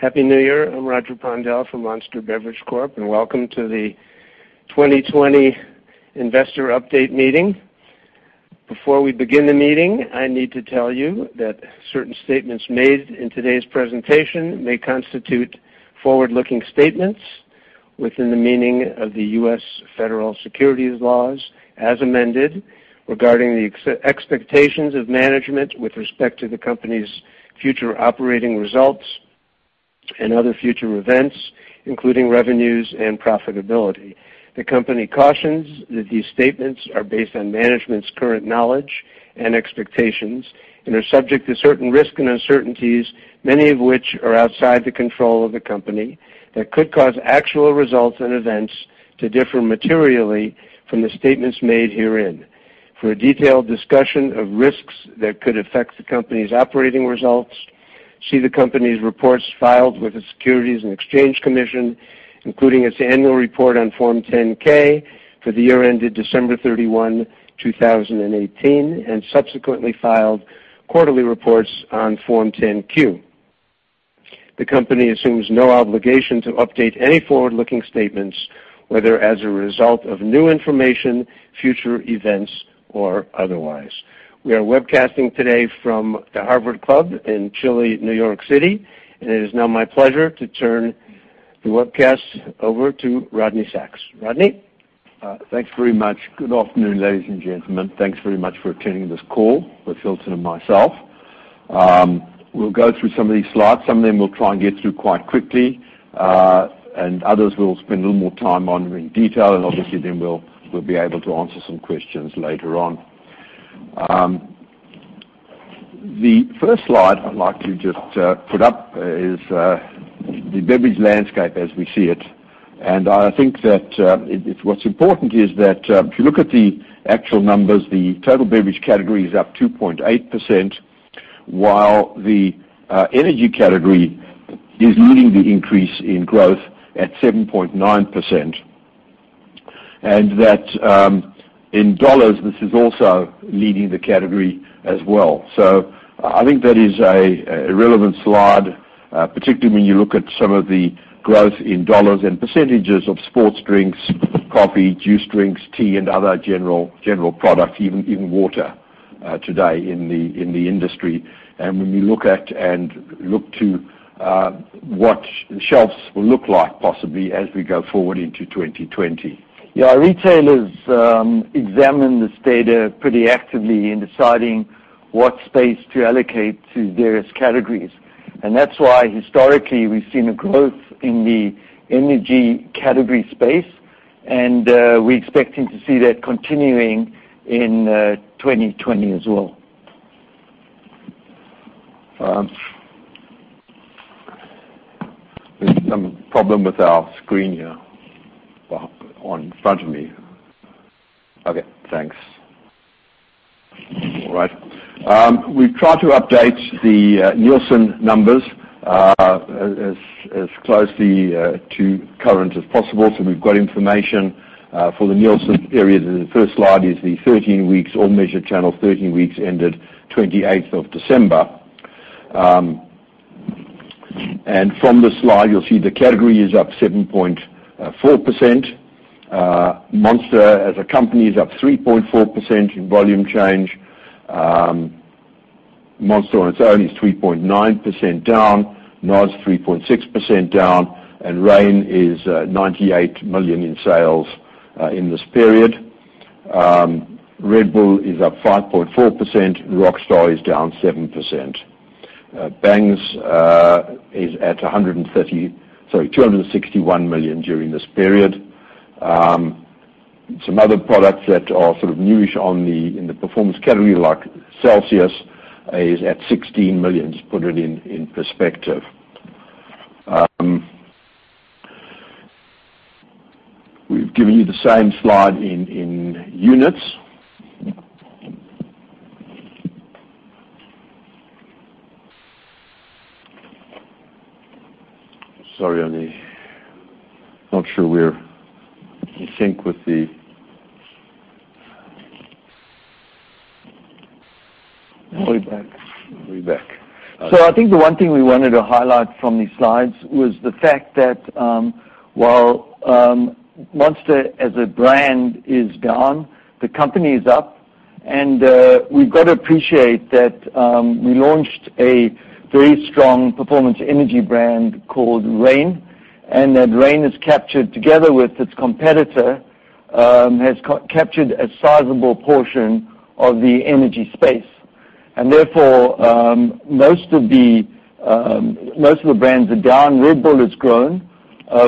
Happy New Year. I'm Roger Pondel from Monster Beverage Corp, Welcome to the 2020 Investor Update Meeting. Before we begin the meeting, I need to tell you that certain statements made in today's presentation may constitute forward-looking statements within the meaning of the U.S. Federal Securities laws as amended, regarding the expectations of management with respect to the company's future operating results and other future events, including revenues and profitability. The company cautions that these statements are based on management's current knowledge and expectations and are subject to certain risks and uncertainties, many of which are outside the control of the company, that could cause actual results and events to differ materially from the statements made herein. For a detailed discussion of risks that could affect the company's operating results, see the company's reports filed with the Securities and Exchange Commission, including its annual report on Form 10-K for the year ended December 31, 2018, and subsequently filed quarterly reports on Form 10-Q. The company assumes no obligation to update any forward-looking statements, whether as a result of new information, future events, or otherwise. We are webcasting today from the Harvard Club in chilly New York City, and it is now my pleasure to turn the webcast over to Rodney Sacks. Rodney? Thanks very much. Good afternoon, ladies and gentlemen. Thanks very much for attending this call with Hilton and myself. We'll go through some of these slides. Some of them we'll try and get through quite quickly, and others we'll spend a little more time on in detail, and obviously then we'll be able to answer some questions later on. The first slide I'd like to just put up is the beverage landscape as we see it, and I think that what's important is that if you look at the actual numbers, the total beverage category is up 2.8%, while the energy category is leading the increase in growth at 7.9%. That in dollars, this is also leading the category as well. I think that is a relevant slide, particularly when you look at some of the growth in dollars and percentages of sports drinks, coffee, juice drinks, tea, and other general products, even water today in the industry. When we look at and look to what shelves will look like possibly as we go forward into 2020. Yeah. Retailers examine this data pretty actively in deciding what space to allocate to various categories. That's why historically we've seen a growth in the energy category space, and we're expecting to see that continuing in 2020 as well. There's some problem with our screen here in front of me. Okay, thanks. All right. We've tried to update the Nielsen numbers as closely to current as possible. We've got information for the Nielsen period. The first slide is the 13 weeks, all measured channel, 13 weeks ended December 28th. From this slide, you'll see the category is up 7.4%. Monster as a company is up 3.4% in volume change. Monster on its own is 3.9% down. NOS 3.6% down, Reign is $98 million in sales in this period. Red Bull is up 5.4%. Rockstar is down 7%. Bang is at $261 million during this period. Some other products that are sort of newish in the performance category like Celsius is at $16 million, just put it in perspective. We've given you the same slide in units. Sorry, I'm not sure we're in sync with the. We're back. We're back. I think the one thing we wanted to highlight from these slides was the fact that while Monster as a brand is down, the company is up. We've got to appreciate that we launched a very strong performance energy brand called Reign, and that Reign has captured together with its competitor, has captured a sizable portion of the energy space. Therefore, most of the brands are down. Red Bull has grown.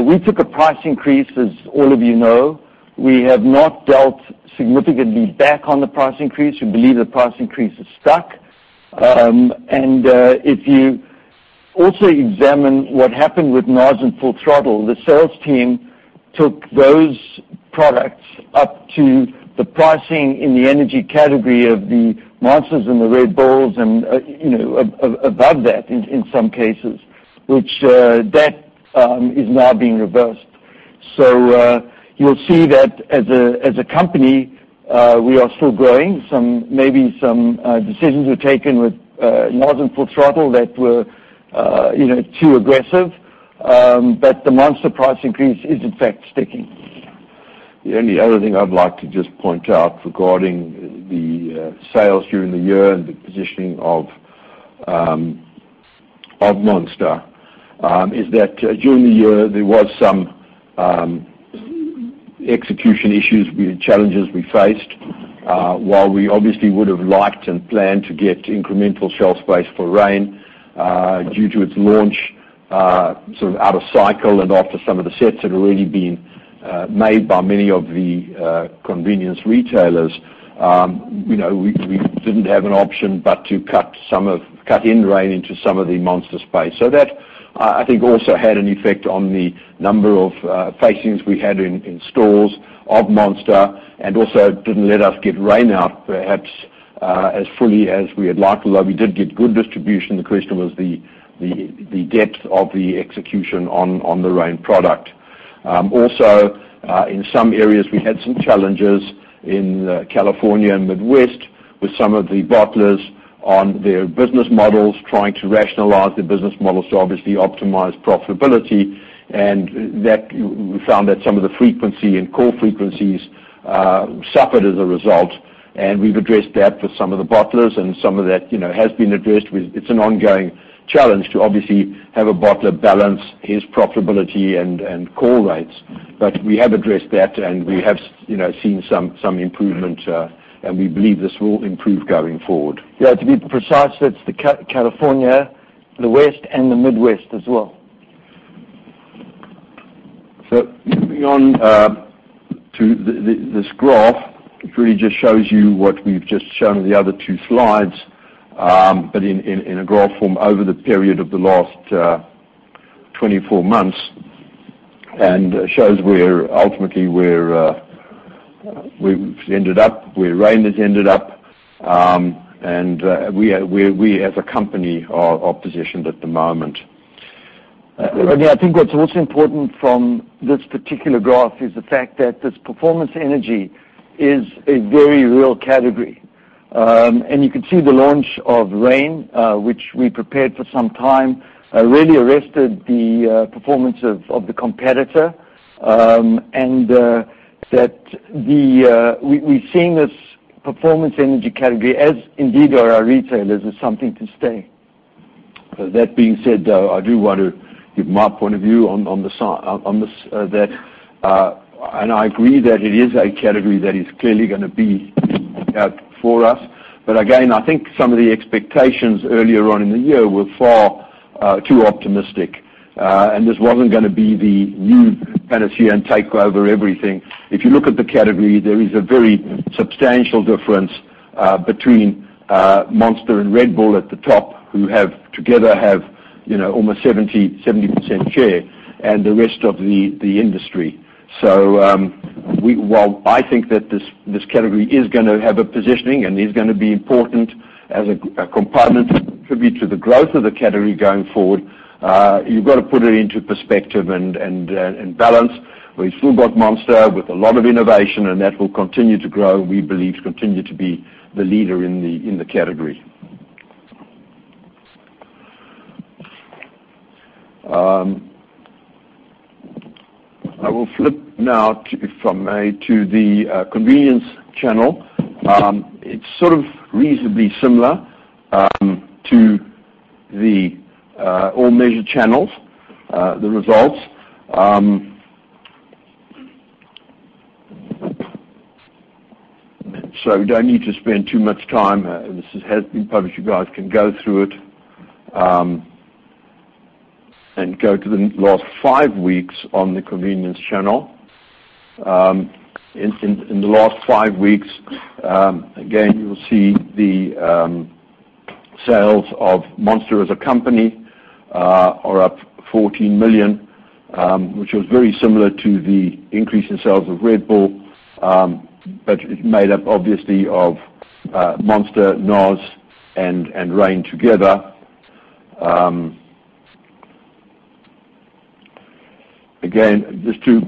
We took a price increase, as all of you know. We have not dealt significantly back on the price increase. We believe the price increase has stuck. If you also examine what happened with NOS and Full Throttle, the sales team took those products up to the pricing in the energy category of the Monster and the Red Bull and above that in some cases, which that is now being reversed. You'll see that as a company, we are still growing. Maybe some decisions were taken with NOS Full Throttle that were too aggressive. The Monster price increase is in fact sticking. The only other thing I'd like to just point out regarding the sales during the year and the positioning of Monster is that during the year, there was some execution issues with challenges we faced. While we obviously would've liked and planned to get incremental shelf space for Reign, due to its launch sort of out of cycle and after some of the sets had already been made by many of the convenience retailers. We didn't have an option but to cut in Reign into some of the Monster space. That, I think, also had an effect on the number of facings we had in stores of Monster, and also didn't let us get Reign out perhaps, as fully as we had liked. Although we did get good distribution, the question was the depth of the execution on the Reign product. In some areas, we had some challenges in California and Midwest with some of the bottlers on their business models trying to rationalize their business models to obviously optimize profitability. We found that some of the frequency and core frequencies suffered as a result. We've addressed that with some of the bottlers and some of that has been addressed. It's an ongoing challenge to obviously have a bottler balance his profitability and call rates. We have addressed that, and we have seen some improvement, and we believe this will improve going forward. Yeah, to be precise, that's the California, the West, and the Midwest as well. Moving on to this graph, it really just shows you what we've just shown in the other two slides, but in a graph form over the period of the last 24 months. It shows ultimately where we've ended up, where Reign has ended up, and we as a company are positioned at the moment. I think what's also important from this particular graph is the fact that this performance energy is a very real category. You can see the launch of Reign, which we prepared for some time, really arrested the performance of the competitor, and that we're seeing this performance energy category as, indeed are our retailers, as something to stay. That being said, though, I do want to give my point of view on this. I agree that it is a category that is clearly going to be out for us. Again, I think some of the expectations earlier on in the year were far too optimistic. This wasn't going to be the new panacea and take over everything. If you look at the category, there is a very substantial difference between Monster and Red Bull at the top, who together have almost 70% share, and the rest of the industry. While I think that this category is going to have a positioning and is going to be important as a component to contribute to the growth of the category going forward, you've got to put it into perspective and balance. We've still got Monster with a lot of innovation, and that will continue to grow, and we believe to continue to be the leader in the category. I will flip now to the convenience channel. It's sort of reasonably similar to all measured channels, the results. We don't need to spend too much time. This has been published. You guys can go through it, and go to the last five weeks on the convenience channel. In the last five weeks, again, you'll see the sales of Monster as a company are up $14 million, which was very similar to the increase in sales of Red Bull. It's made up obviously of Monster, NOS and Reign together. Just to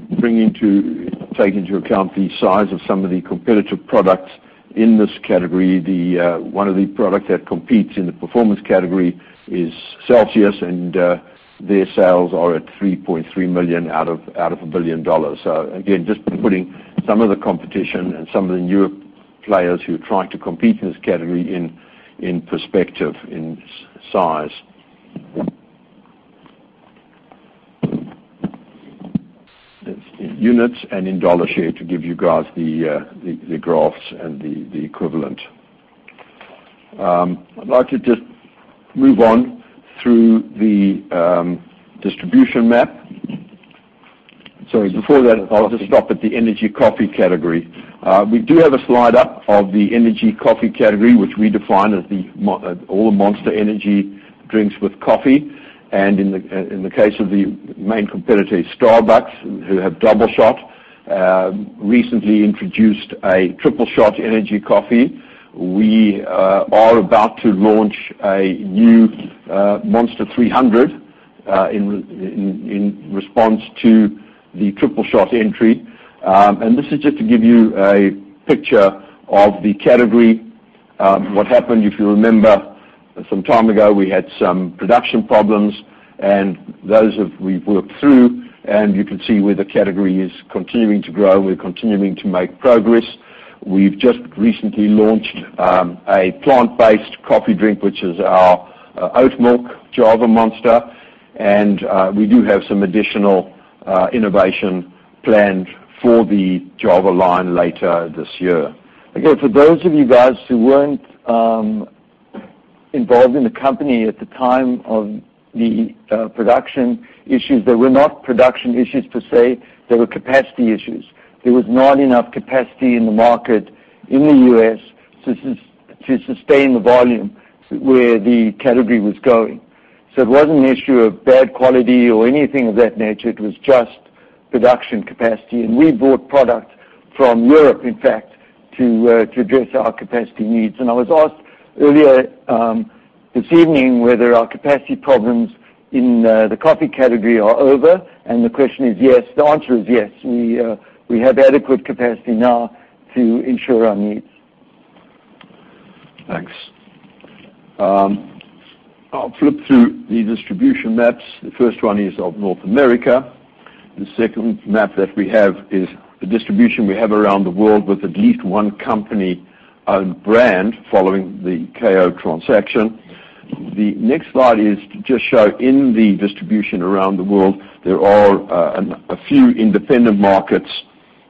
take into account the size of some of the competitive products in this category, one of the product that competes in the performance category is Celsius, and their sales are at $3.3 million out of $1 billion. Just putting some of the competition and some of the newer players who are trying to compete in this category in perspective, in size. In units and in dollar share to give you guys the graphs and the equivalent. I'd like to just move on through the distribution map. Sorry, before that, I'll just stop at the energy coffee category. We do have a slide up of the energy coffee category, which we define as all the Monster energy drinks with coffee. In the case of the main competitor, Starbucks, who have Doubleshot. Recently introduced a Tripleshot Energy coffee. We are about to launch a new Java Monster 300 in response to the Tripleshot entry. This is just to give you a picture of the category. What happened, if you remember some time ago, we had some production problems, and those we've worked through, and you can see where the category is continuing to grow. We're continuing to make progress. We've just recently launched a plant-based coffee drink, which is our Java Monster Farmer's Oats, and we do have some additional innovation planned for the Java line later this year. Again, for those of you guys who weren't involved in the company at the time of the production issues, they were not production issues per se, they were capacity issues. There was not enough capacity in the market in the U.S. to sustain the volume where the category was going. It wasn't an issue of bad quality or anything of that nature. It was just production capacity. We bought product from Europe, in fact, to address our capacity needs. I was asked earlier this evening whether our capacity problems in the coffee category are over, the question is yes. The answer is yes. We have adequate capacity now to ensure our needs. Thanks. I'll flip through the distribution maps. The first one is of North America. The second map that we have is the distribution we have around the world with at least one company brand following the KO transaction. The next slide is to just show in the distribution around the world, there are a few independent markets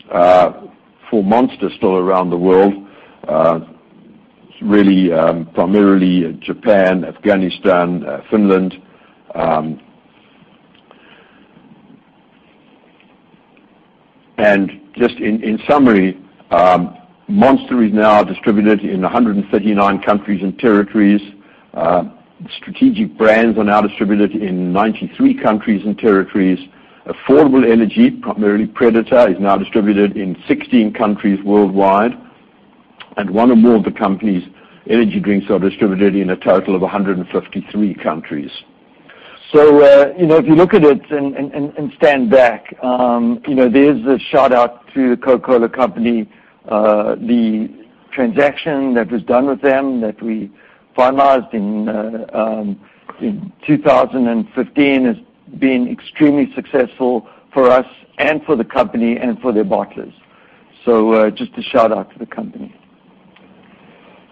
for Monster still around the world. Really, primarily Japan, Afghanistan, Finland. Just in summary, Monster is now distributed in 139 countries and territories. Strategic brands are now distributed in 93 countries and territories. Affordable Energy, primarily Predator, is now distributed in 16 countries worldwide. One or more of the company's energy drinks are distributed in a total of 153 countries. If you look at it and stand back, there's a shout-out to The Coca-Cola Company. The transaction that was done with them that we finalized in 2015 has been extremely successful for us and for the company and for their bottlers. Just a shout-out to the company.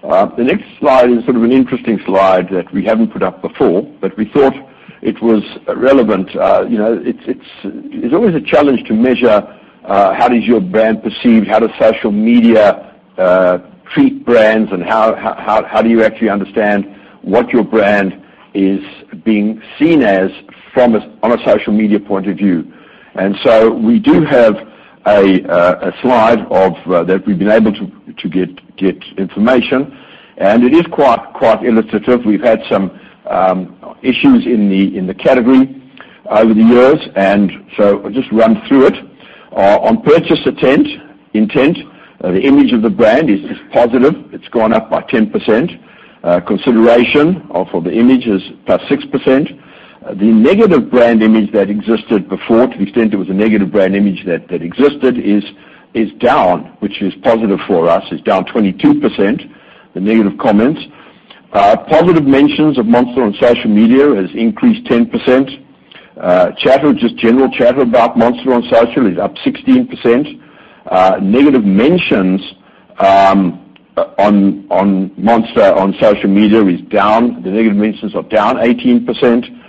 The next slide is sort of an interesting slide that we haven't put up before, but we thought it was relevant. It's always a challenge to measure how does your brand perceive, how does social media treat brands, and how do you actually understand what your brand is being seen as from a social media point of view. We do have a slide that we've been able to get information, and it is quite illustrative. We've had some issues in the category over the years, I'll just run through it. On purchase intent, the image of the brand is positive. It's gone up by 10%. Consideration for the image is +6%. The negative brand image that existed before, to the extent there was a negative brand image that existed, is down, which is positive for us. It's down 22%, the negative comments. Positive mentions of Monster on social media has increased 10%. Chatter, just general chatter about Monster on social is up 16%. Negative mentions on Monster on social media is down. The negative mentions are down 18%.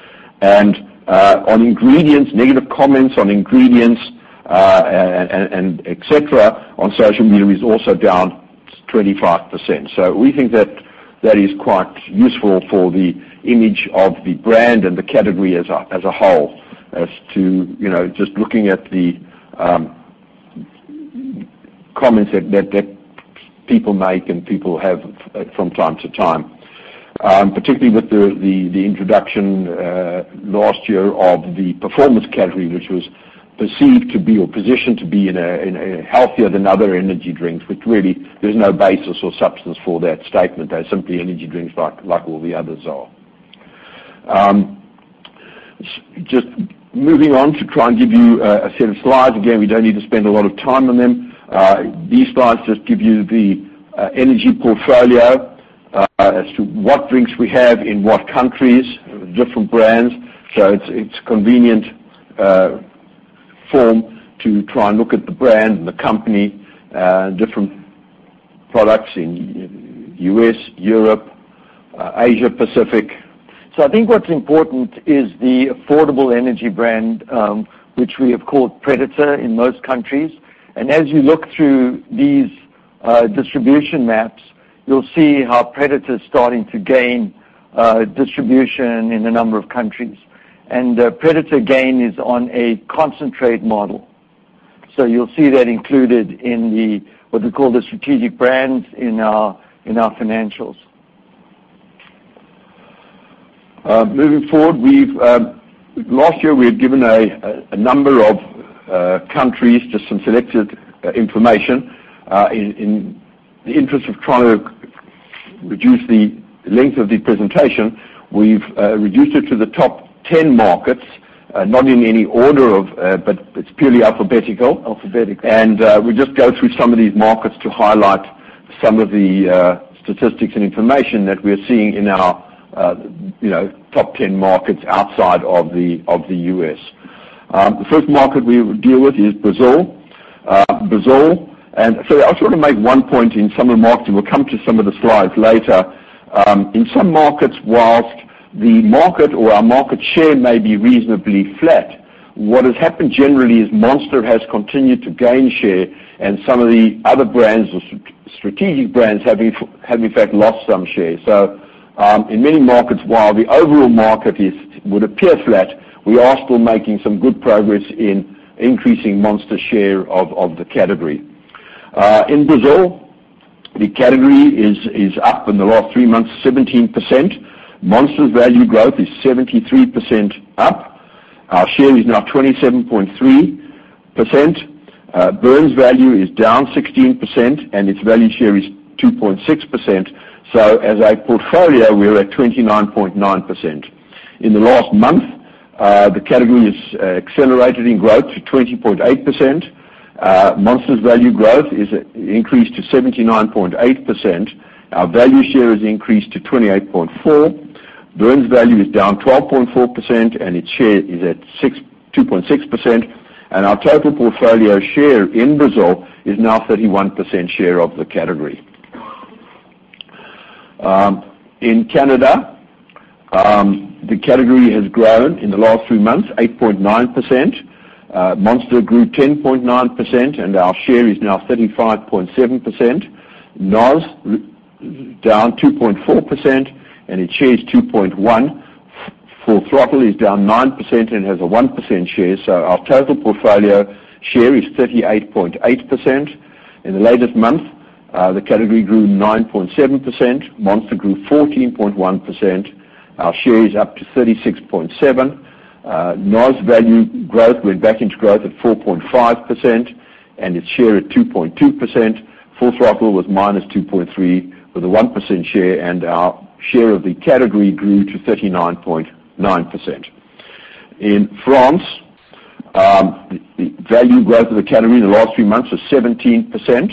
On ingredients, negative comments on ingredients, et cetera, on social media is also down 25%. We think that is quite useful for the image of the brand and the category as a whole as to just looking at the comments that people make and people have from time to time, particularly with the introduction last year of the Performance category, which was perceived to be, or positioned to be healthier than other energy drinks, which really there's no basis or substance for that statement. They're simply energy drinks like all the others are. Just moving on to try and give you a set of slides. Again, we don't need to spend a lot of time on them. These slides just give you the energy portfolio as to what drinks we have in what countries, different brands. It's a convenient form to try and look at the brand and the company, different products in U.S., Europe, Asia-Pacific. I think what's important is the Affordable Energy brand, which we have called Predator in most countries. As you look through these distribution maps, you'll see how Predator's starting to gain distribution in a number of countries. Predator, again, is on a concentrate model. You'll see that included in what we call the strategic brands in our financials. Moving forward, last year we had given a number of countries, just some selected information. In the interest of trying to reduce the length of the presentation, we've reduced it to the top 10 markets, not in any order, but it's purely alphabetical. Alphabetical. We'll just go through some of these markets to highlight some of the statistics and information that we're seeing in our top 10 markets outside of the U.S. The first market we will deal with is Brazil. I just want to make one point in some of the markets, and we'll come to some of the slides later. In some markets, whilst the market or our market share may be reasonably flat, what has happened generally is Monster has continued to gain share, and some of the other brands or strategic brands have in fact lost some share. In many markets, while the overall market would appear flat, we are still making some good progress in increasing Monster's share of the category. In Brazil, the category is up in the last three months 17%. Monster's value growth is 73% up. Our share is now 27.3%. Burn's value is down 16%, and its value share is 2.6%. As a portfolio, we're at 29.9%. In the last month, the category has accelerated in growth to 20.8%. Monster's value growth increased to 79.8%. Our value share has increased to 28.4%. Burn's value is down 12.4%, and its share is at 2.6%. Our total portfolio share in Brazil is now 31% share of the category. In Canada, the category has grown in the last three months 8.9%. Monster grew 10.9%, and our share is now 35.7%. NOS, down 2.4%, and its share is 2.1%. Full Throttle is down 9% and has a 1% share. Our total portfolio share is 38.8%. In the latest month, the category grew 9.7%. Monster grew 14.1%. Our share is up to 36.7%. NOS value growth went back into growth at 4.5%, and its share at 2.2%. Full Throttle was -2.3% with a 1% share, and our share of the category grew to 39.9%. In France, the value growth of the category in the last three months was 17%.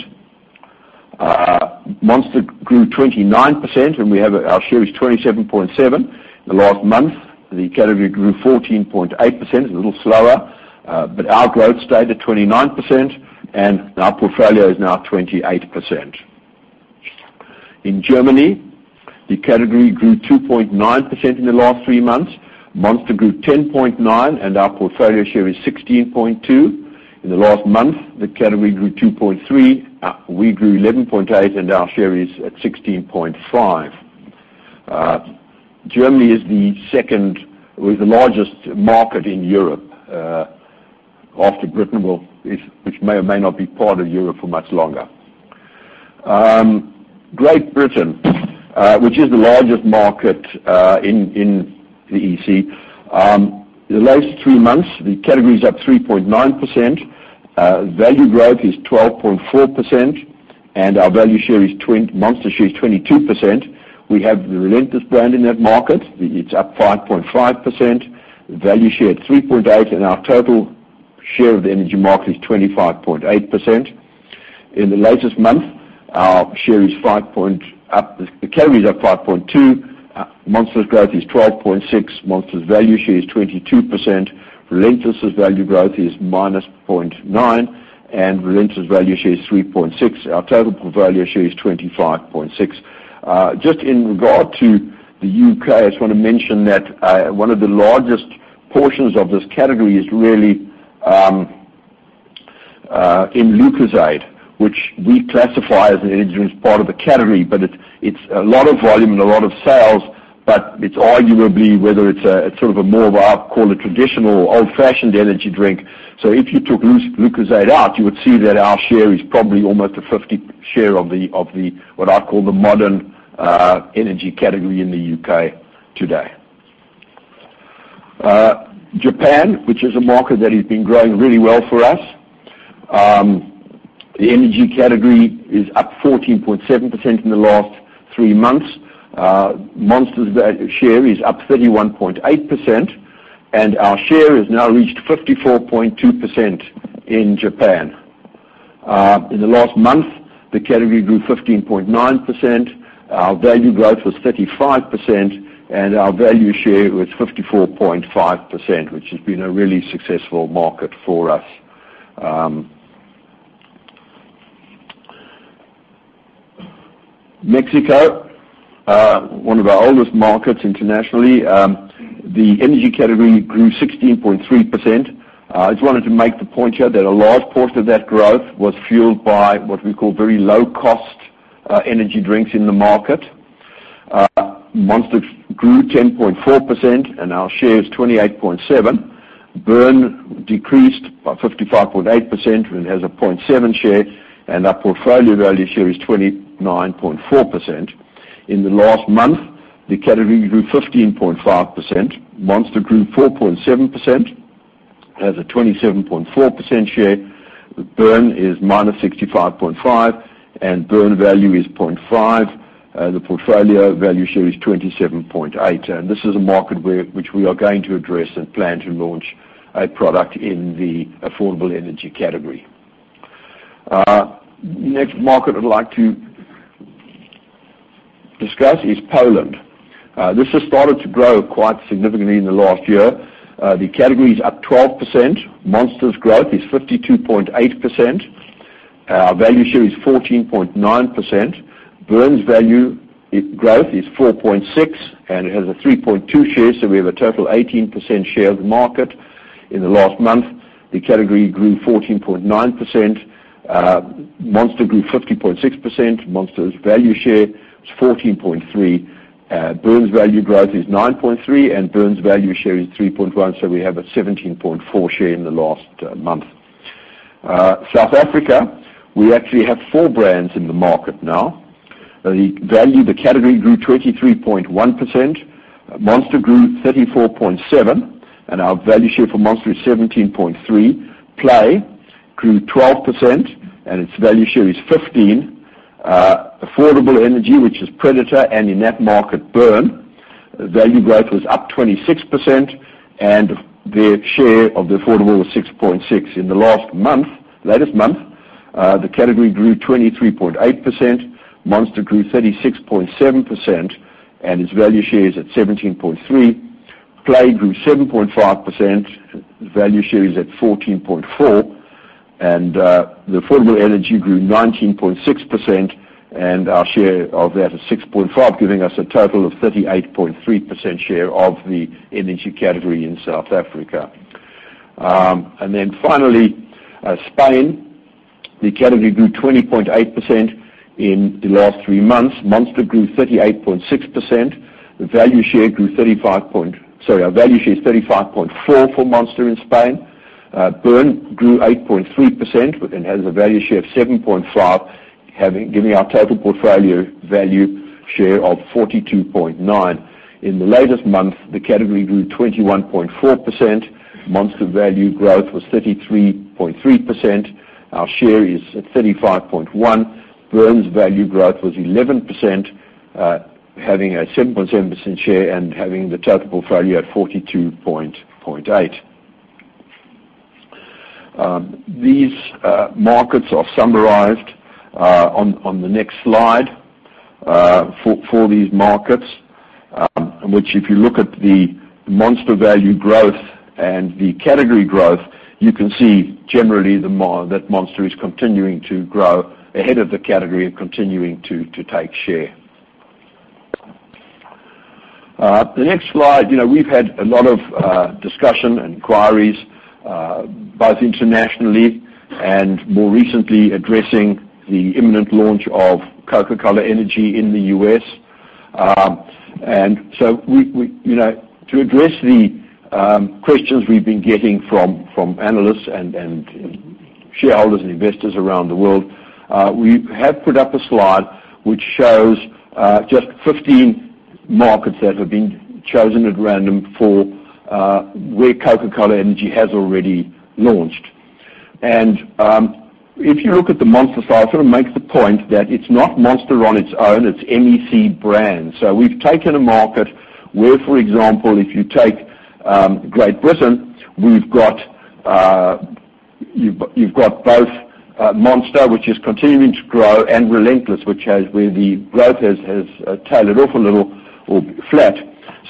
Monster grew 29%, and our share is 27.7%. In the last month, the category grew 14.8%, a little slower, but our growth stayed at 29%, and our portfolio is now 28%. In Germany, the category grew 2.9% in the last three months. Monster grew 10.9%, and our portfolio share is 16.2%. In the last month, the category grew 2.3%. We grew 11.8%, and our share is at 16.5%. Germany is the second, or the largest market in Europe after Britain, which may or may not be part of Europe for much longer. Great Britain, which is the largest market in the E.C. The latest three months, the category is up 3.9%. Value growth is 12.4%, and Monster's share is 22%. We have the Relentless brand in that market. It's up 5.5%. Value share at 3.8%, and our total share of the energy market is 25.8%. In the latest month, the category is up 5.2%. Monster's growth is 12.6%. Monster's value share is 22%. Relentless's value growth is -0.9%, and Relentless's value share is 3.6%. Our total portfolio share is 25.6%. Just in regard to the U.K., I just want to mention that one of the largest portions of this category is really in Lucozade, which we classify as an energy drinks part of the category, but it's a lot of volume and a lot of sales, but it's arguably whether it's sort of a more of a, I'd call it traditional, old-fashioned energy drink. If you took Lucozade out, you would see that our share is probably almost a 50% share of what I call the modern energy category in the U.K. today. Japan, which is a market that has been growing really well for us. The energy category is up 14.7% in the last three months. Monster's value share is up 31.8%, and our share has now reached 54.2% in Japan. In the last month, the category grew 15.9%. Our value growth was 35%, and our value share was 54.5%, which has been a really successful market for us. Mexico, one of our oldest markets internationally. The energy category grew 16.3%. I just wanted to make the point here that a large portion of that growth was fueled by what we call very low-cost energy drinks in the market. Monster grew 10.4%, and our share is 28.7%. Burn decreased by 55.8% and has a 0.7% share, and our portfolio value share is 29.4%. In the last month, the category grew 15.5%. Monster grew 4.7%, has a 27.4% share. Burn is -65.5%, and Burn value is 0.5%. The portfolio value share is 27.8%, and this is a market which we are going to address and plan to launch a product in the affordable energy category. Next market I'd like to discuss is Poland. This has started to grow quite significantly in the last year. The category is up 12%. Monster's growth is 52.8%. Our value share is 14.9%. Burn's value growth is 4.6%, and it has a 3.2% share, so we have a total 18% share of the market. In the last month, the category grew 14.9%. Monster grew 50.6%. Monster's value share is 14.3%. Burn's value growth is 9.3%, Burn's value share is 3.1%, we have a 17.4% share in the last month. South Africa, we actually have four brands in the market now. The value of the category grew 23.1%. Monster grew 34.7%, our value share for Monster is 17.3%. Play grew 12%, its value share is 15%. Affordable energy, which is Predator, in that market, Burn. Value growth was up 26%, their share of the affordable was 6.6%. In the latest month, the category grew 23.8%. Monster grew 36.7%, its value share is at 17.3%. Play grew 7.5%. Value share is at 14.4%. The affordable energy grew 19.6%, our share of that is 6.5%, giving us a total of 38.3% share of the energy category in South Africa. Finally, Spain. The category grew 20.8% in the last three months. Monster grew 38.6%. Our value share is 35.4% for Monster in Spain. Burn grew 8.3% and has a value share of 7.5%, giving our total portfolio value share of 42.9%. In the latest month, the category grew 21.4%. Monster value growth was 33.3%. Our share is at 35.1%. Burn's value growth was 11%, having a 7.7% share and having the total portfolio at 42.8%. These markets are summarized on the next slide for these markets, in which if you look at the Monster value growth and the category growth, you can see generally that Monster is continuing to grow ahead of the category and continuing to take share. The next slide. We've had a lot of discussion and inquiries, both internationally and more recently addressing the imminent launch of Coca-Cola Energy in the U.S. To address the questions we've been getting from analysts and shareholders and investors around the world, we have put up a slide which shows just 15 markets that have been chosen at random for where Coca-Cola Energy has already launched. If you look at the Monster side, sort of makes the point that it's not Monster on its own, it's MEC brands. We've taken a market where, for example, if you take Great Britain, you've got both Monster, which is continuing to grow, and Relentless, where the growth has tailed off a little or flat.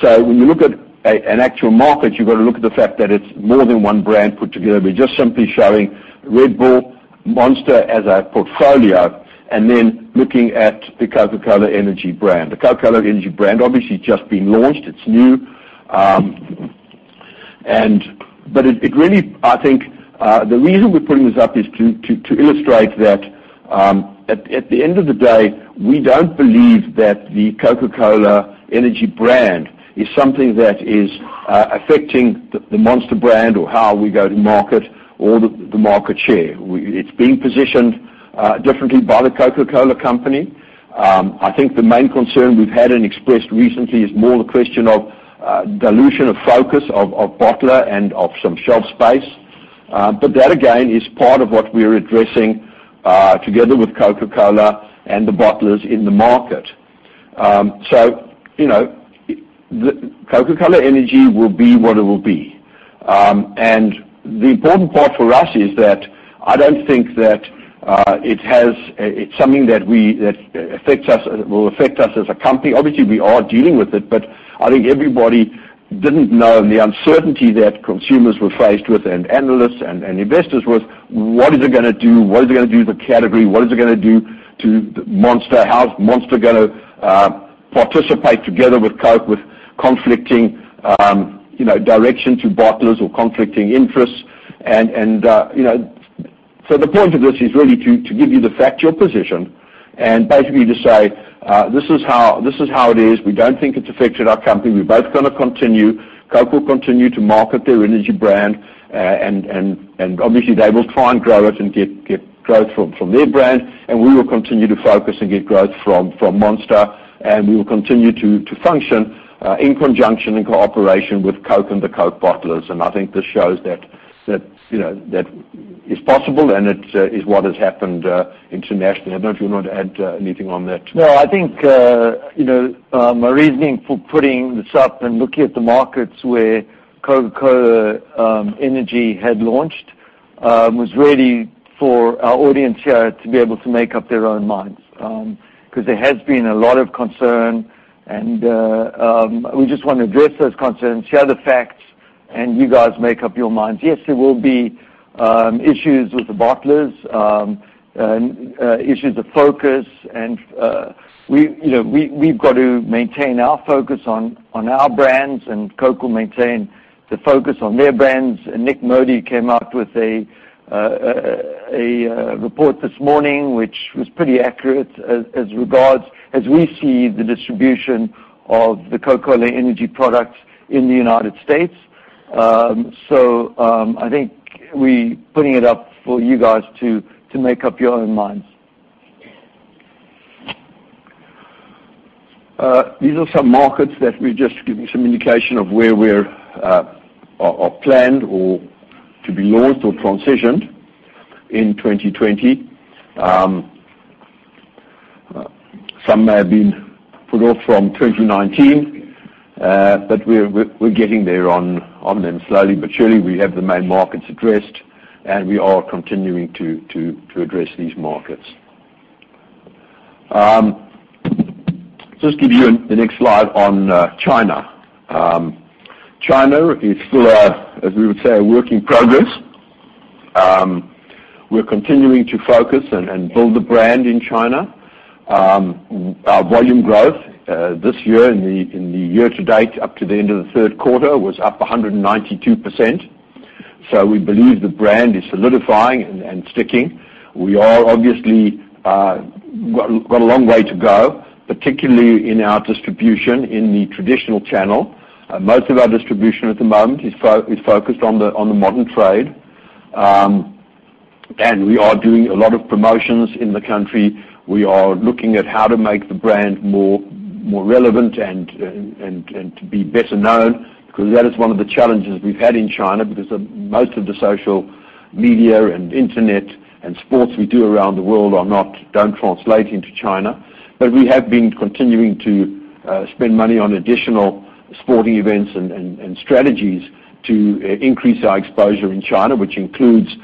When you look at an actual market, you've got to look at the fact that it's more than one brand put together. We're just simply showing Red Bull, Monster as a portfolio, and then looking at the Coca-Cola Energy brand. The Coca-Cola Energy brand obviously has just been launched. It's new. I think the reason we're putting this up is to illustrate that at the end of the day, we don't believe that the Coca-Cola Energy brand is something that is affecting the Monster brand or how we go to market or the market share. It's being positioned differently by The Coca-Cola Company. I think the main concern we've had and expressed recently is more a question of dilution of focus of bottler and of some shelf space. But, that again, is part of what we're addressing together with Coca-Cola and the bottlers in the market. Coca-Cola Energy will be what it will be. The important part for us is that I don't think that it's something that will affect us as a company. Obviously, we are dealing with it, but I think everybody didn't know the uncertainty that consumers were faced with and analysts and investors was, what is it going to do? What is it going to do to the category? What is it going to do to Monster? How's Monster going to participate together with Coke with conflicting directions with bottlers or conflicting interests? The point of this is really to give you the factual position and basically to say, this is how it is. We don't think it's affected our company. We're both going to continue. Coke will continue to market their energy brand, and obviously they will try and grow it and get growth from their brand, and we will continue to focus and get growth from Monster, and we will continue to function in conjunction and cooperation with Coke and the Coke bottlers. I think this shows that it's possible and it is what has happened internationally. I don't know if you want to add anything on that. I think my reasoning for putting this up and looking at the markets where Coca-Cola Energy had launched was really for our audience here to be able to make up their own minds. There has been a lot of concern, we just want to address those concerns, share the facts, you guys make up your minds. There will be issues with the bottlers and issues of focus, we've got to maintain our focus on our brands, Coke will maintain the focus on their brands. Nik Modi came out with a report this morning, which was pretty accurate as we see the distribution of the Coca-Cola Energy products in the United States I think we putting it up for you guys to make up your own minds. These are some markets that we're just giving some indication of where we're planned or to be launched or transitioned in 2020. Some may have been put off from 2019, we're getting there on them slowly but surely. We have the main markets addressed, we are continuing to address these markets. Just give you the next slide on China. China is still a, as we would say, a work in progress. We're continuing to focus and build the brand in China. Our volume growth this year in the year to date, up to the end of the third quarter, was up 192%. We believe the brand is solidifying and sticking. We all obviously got a long way to go, particularly in our distribution in the traditional channel. Most of our distribution at the moment is focused on the modern trade. We are doing a lot of promotions in the country. We are looking at how to make the brand more relevant and to be better known, because that is one of the challenges we've had in China, because most of the social media and internet and sports we do around the world don't translate into China. We have been continuing to spend money on additional sporting events and strategies to increase our exposure in China, which includes,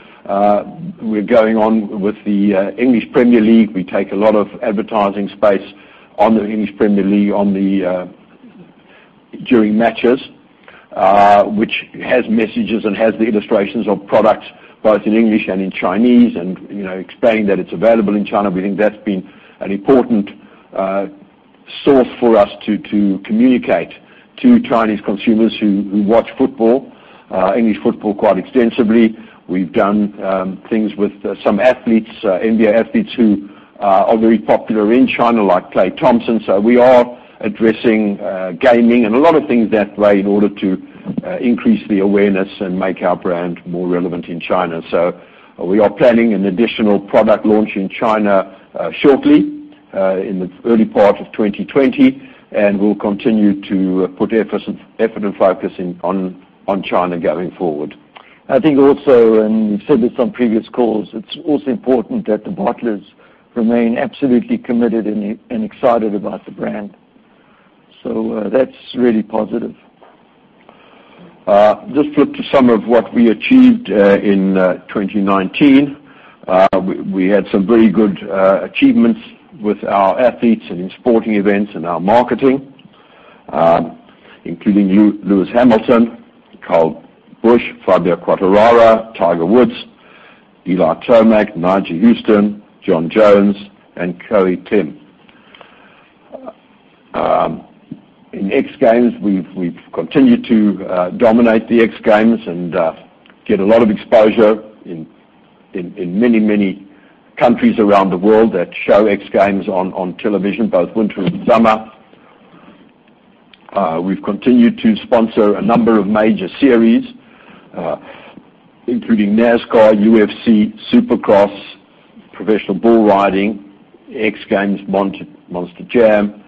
we're going on with the Premier League. We take a lot of advertising space on the Premier League during matches, which has messages and has the illustrations of products both in English and in Chinese and explaining that it's available in China. We think that's been an important source for us to communicate to Chinese consumers who watch football, English football, quite extensively. We've done things with some athletes, NBA athletes who are very popular in China, like Klay Thompson. We are addressing gaming and a lot of things that way in order to increase the awareness and make our brand more relevant in China. We are planning an additional product launch in China shortly, in the early part of 2020, and we'll continue to put effort and focus on China going forward. I think also, and we've said this on previous calls, it's also important that the bottlers remain absolutely committed and excited about the brand. That's really positive. Just flip to some of what we achieved in 2019. We had some very good achievements with our athletes and in sporting events and our marketing, including Lewis Hamilton, Kyle Busch, Fabio Quartararo, Tiger Woods, Eli Tomac, Nyjah Huston, Jon Jones, and Chloe Kim. In X Games, we've continued to dominate the X Games and get a lot of exposure in many countries around the world that show X Games on television, both winter and summer. We've continued to sponsor a number of major series including NASCAR, UFC, Supercross, Professional Bull Riders, X Games, Monster Jam,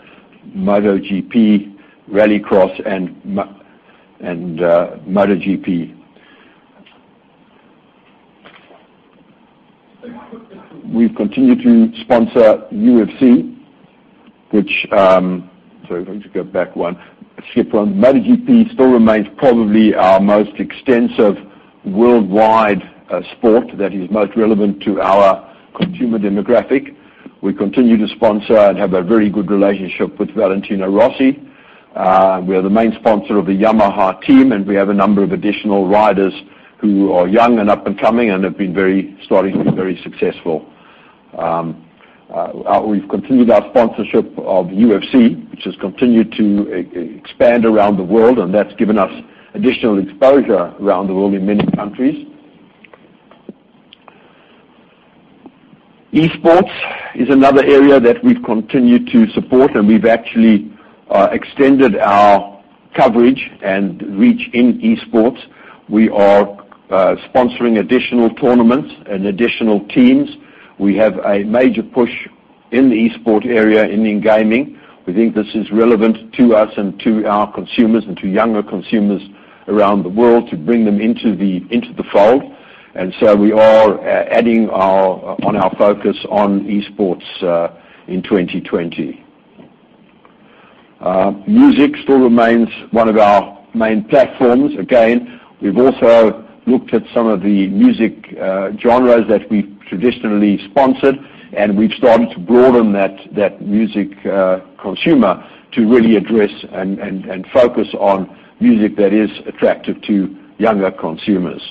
MotoGP, Rallycross and MotoGP. We've continued to sponsor UFC, which Sorry, we need to go back one. MotoGP still remains probably our most extensive worldwide sport that is most relevant to our consumer demographic. We continue to sponsor and have a very good relationship with Valentino Rossi. We are the main sponsor of the Yamaha team. We have a number of additional riders who are young and up and coming and have been starting to be very successful. We've continued our sponsorship of UFC, which has continued to expand around the world. That's given us additional exposure around the world in many countries. Esports is another area that we've continued to support. We've actually extended our coverage and reach in Esports. We are sponsoring additional tournaments and additional teams. We have a major push in the Esport area in gaming. We think this is relevant to us and to our consumers, and to younger consumers around the world to bring them into the fold. We are adding on our focus on Esports in 2020. Music still remains one of our main platforms. We've also looked at some of the music genres that we've traditionally sponsored, and we've started to broaden that music consumer to really address and focus on music that is attractive to younger consumers.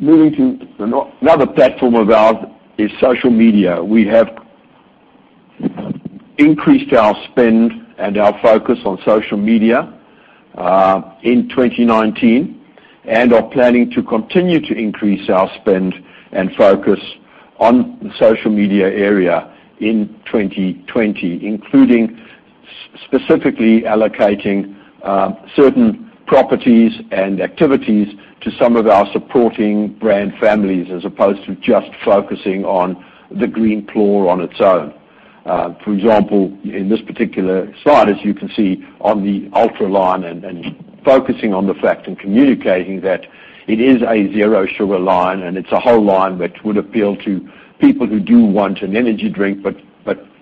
Moving to another platform of ours is social media. We have increased our spend and our focus on social media in 2019, are planning to continue to increase our spend and focus on the social media area in 2020, including specifically allocating certain properties and activities to some of our supporting brand families, as opposed to just focusing on the Monster on its own. In this particular slide, as you can see on the Ultra line, focusing on the fact and communicating that it is a zero sugar line, it's a whole line which would appeal to people who do want an energy drink but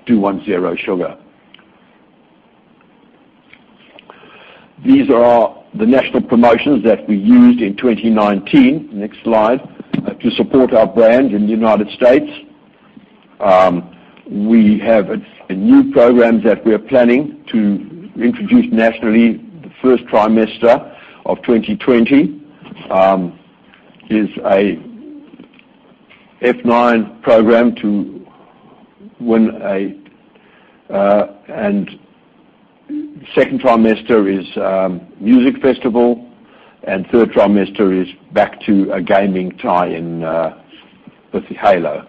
do want zero sugar. These are the national promotions that we used in 2019, next slide, to support our brand in the United States. We have a new program that we're planning to introduce nationally the first trimester of 2020. Second trimester is music festival, and third trimester is back to a gaming tie-in with Halo.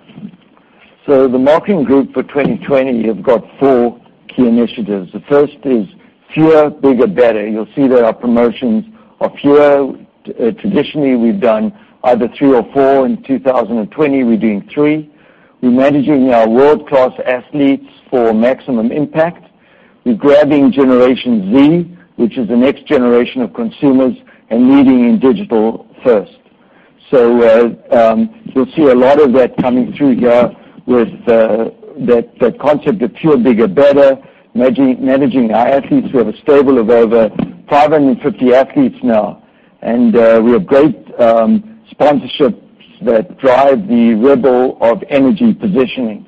The marketing group for 2020, you've got four key initiatives. The first is fewer, bigger, better. You'll see that our promotions are fewer. Traditionally, we've done either three or four. In 2020, we're doing three. We're managing our world-class athletes for maximum impact. We're grabbing Generation Z, which is the next generation of consumers, and leading in digital first. You'll see a lot of that coming through here with that concept of fewer, bigger, better. Managing our athletes. We have a stable of over 550 athletes now, and we have great sponsorships that drive the rebel of energy positioning.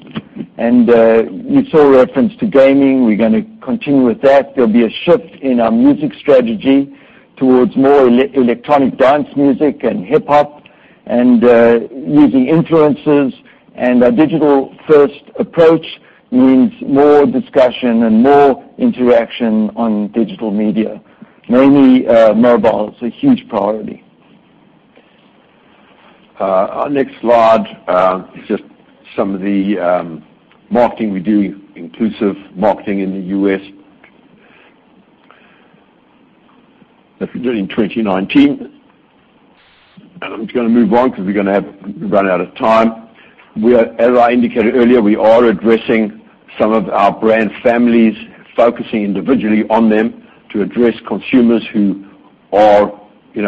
You saw reference to gaming. We're going to continue with that. There'll be a shift in our music strategy towards more electronic dance music and hip hop and using influencers. Our digital-first approach means more discussion and more interaction on digital media, mainly mobile. It's a huge priority. Our next slide is just some of the marketing we do, inclusive marketing in the U.S. that we did in 2019. I'm just going to move on because we're going to run out of time. As I indicated earlier, we are addressing some of our brand families, focusing individually on them to address consumers who are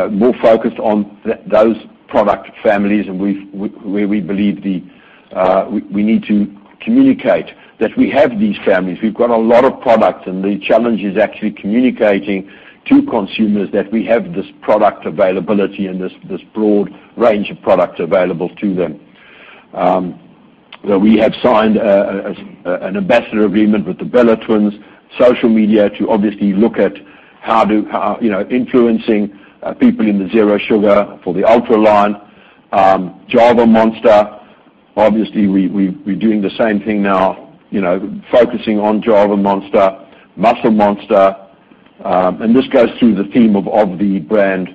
more focused on those product families. Where we believe we need to communicate that we have these families. We've got a lot of product. The challenge is actually communicating to consumers that we have this product availability and this broad range of products available to them. We have signed an ambassador agreement with the Bella Twins, social media to obviously look at influencing people in the zero sugar for the Ultra line. Java Monster, obviously, we're doing the same thing now, focusing on Java Monster, Muscle Monster. This goes through the theme of the brand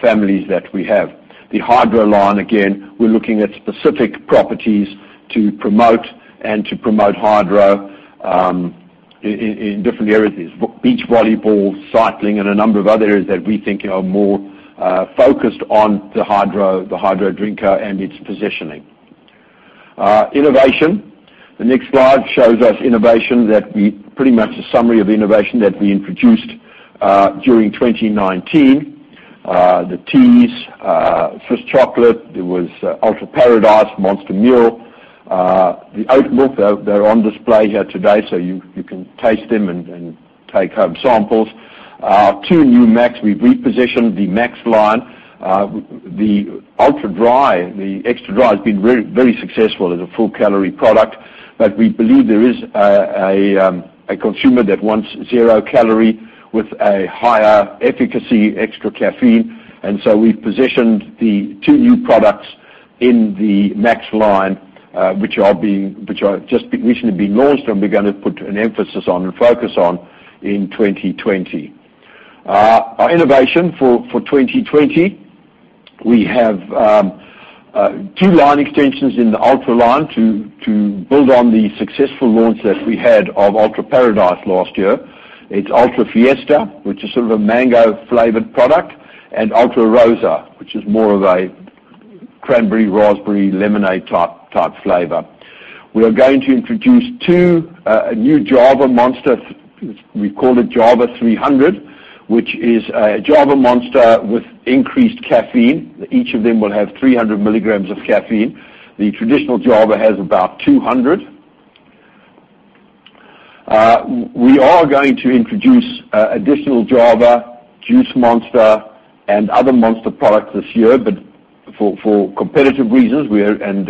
families that we have. The Hydro line, again, we're looking at specific properties to promote Hydro in different areas. Beach volleyball, cycling, and a number of other areas that we think are more focused on the Hydro drinker and its positioning. Innovation. The next slide shows us pretty much a summary of innovation that we introduced during 2019. The teas, Swiss Chocolate, there was Ultra Paradise, Monster Mule, Java Monster Farmer's Oats. They're on display here today, so you can taste them and take home samples. Two new Mega. We've repositioned the Mega line. The Super Dry, the Extra Dry has been very successful as a full-calorie product. We believe there is a consumer that wants zero calorie with a higher efficacy, extra caffeine. We've positioned the two new products in the MAXX line, which have just recently been launched, and we're going to put an emphasis on and focus on in 2020. Our innovation for 2020, we have two line extensions in the ULTRA line to build on the successful launch that we had of ULTRA Paradise last year. It's ULTRA Fiesta, which is sort of a mango-flavored product, and ULTRA Rosá, which is more of a cranberry, raspberry lemonade-type flavor. We are going to introduce two new Java Monster, we call it Java 300, which is a Java Monster with increased caffeine. Each of them will have 300 mg of caffeine. The traditional Java has about 200. We are going to introduce additional Java, Juice Monster, and other Monster products this year. For competitive reasons, and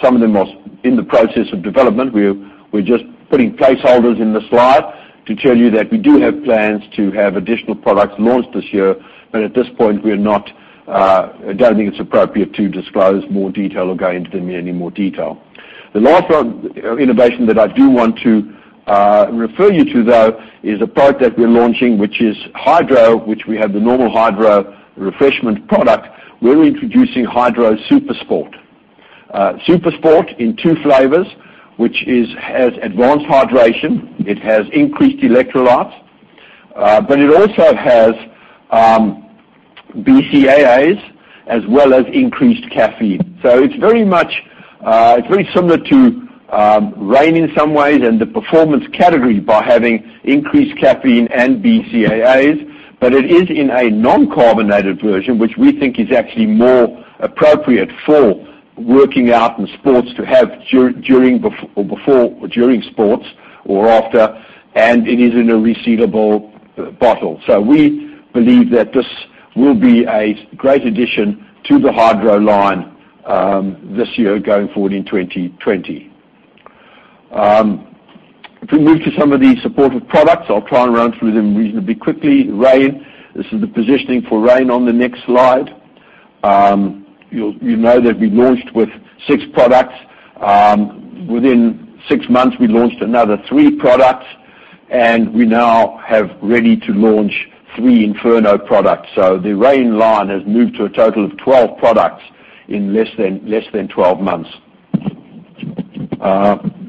some of them are in the process of development, we're just putting placeholders in the slide to tell you that we do have plans to have additional products launched this year. At this point, I don't think it's appropriate to disclose more detail or go into them in any more detail. The last innovation that I do want to refer you to, though, is a product that we're launching, which is HYDRO, which we have the normal HYDRO refreshment product. We're introducing HYDRO Super Sport. Super Sport in two flavors, which has advanced hydration. It has increased electrolytes, but it also has BCAAs, as well as increased caffeine. It's very similar to Reign in some ways and the performance category by having increased caffeine and BCAAs. It is in a non-carbonated version, which we think is actually more appropriate for working out in sports to have before or during sports or after, and it is in a resealable bottle. We believe that this will be a great addition to the Hydro line this year, going forward in 2020. If we move to some of the supportive products, I'll try and run through them reasonably quickly. Reign, this is the positioning for Reign on the next slide. You know that we launched with six products. Within six months, we launched another three products, and we now have ready to launch three Inferno products. The Reign line has moved to a total of 12 products in less than 12 months.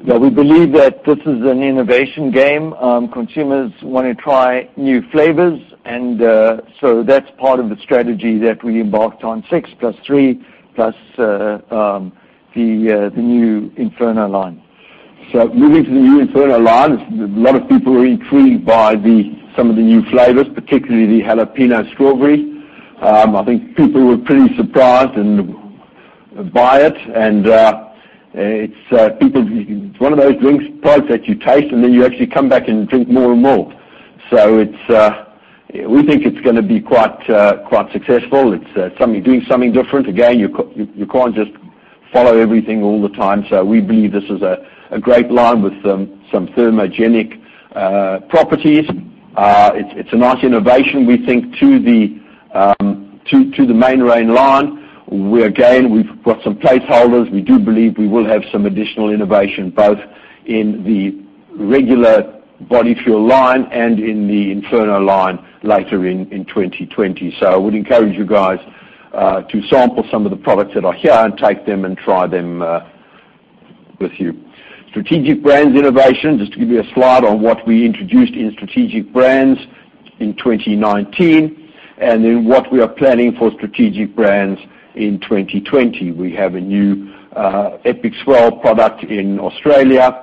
We believe that this is an innovation game. Consumers want to try new flavors, and so that's part of the strategy that we embarked on, six plus three plus the new Inferno line. Moving to the new Inferno line, a lot of people are intrigued by some of the new flavors, particularly the Jalapeño Strawberry. I think people were pretty surprised by it, and it's one of those drinks, products that you taste, and then you actually come back and drink more and more. We think it's going to be quite successful. It's doing something different. Again, you can't just follow everything all the time. We believe this is a great line with some thermogenic properties. It's a nice innovation, we think, to the main Reign line, where again, we've got some placeholders. We do believe we will have some additional innovation, both in the regular Body Fuel line and in the Inferno line later in 2020. I would encourage you guys to sample some of the products that are here and take them and try them with you. Strategic brands innovation, just to give you a slide on what we introduced in strategic brands in 2019 what we are planning for strategic brands in 2020. We have a new Epic Swell product in Australia.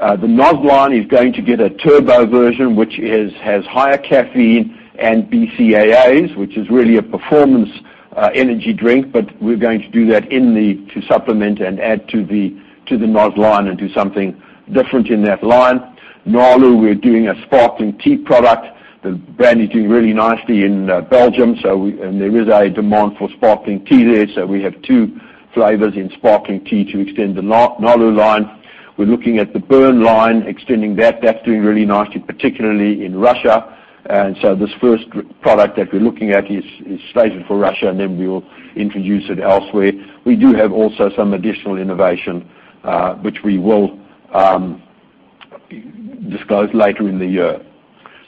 The NOS line is going to get a turbo version, which has higher caffeine and BCAAs, which is really a performance energy drink, we're going to do that to supplement and add to the NOS line and do something different in that line. Nalu, we're doing a sparkling tea product. The brand is doing really nicely in Belgium, and there is a demand for sparkling tea there, so we have two flavors in sparkling tea to extend the Nalu line. We're looking at the Burn line, extending that. That's doing really nicely, particularly in Russia. This first product that we're looking at is staged for Russia, and then we will introduce it elsewhere. We do have also some additional innovation, which we will disclose later in the year.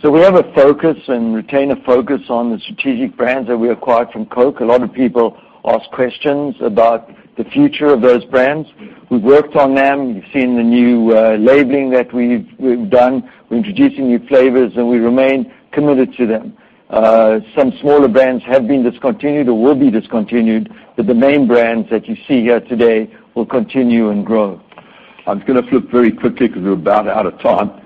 We have a focus and retain a focus on the strategic brands that we acquired from Coke. A lot of people ask questions about the future of those brands. We've worked on them. You've seen the new labeling that we've done. We're introducing new flavors, and we remain committed to them. Some smaller brands have been discontinued or will be discontinued. The main brands that you see here today will continue and grow. I'm just going to flip very quickly because we're about out of time.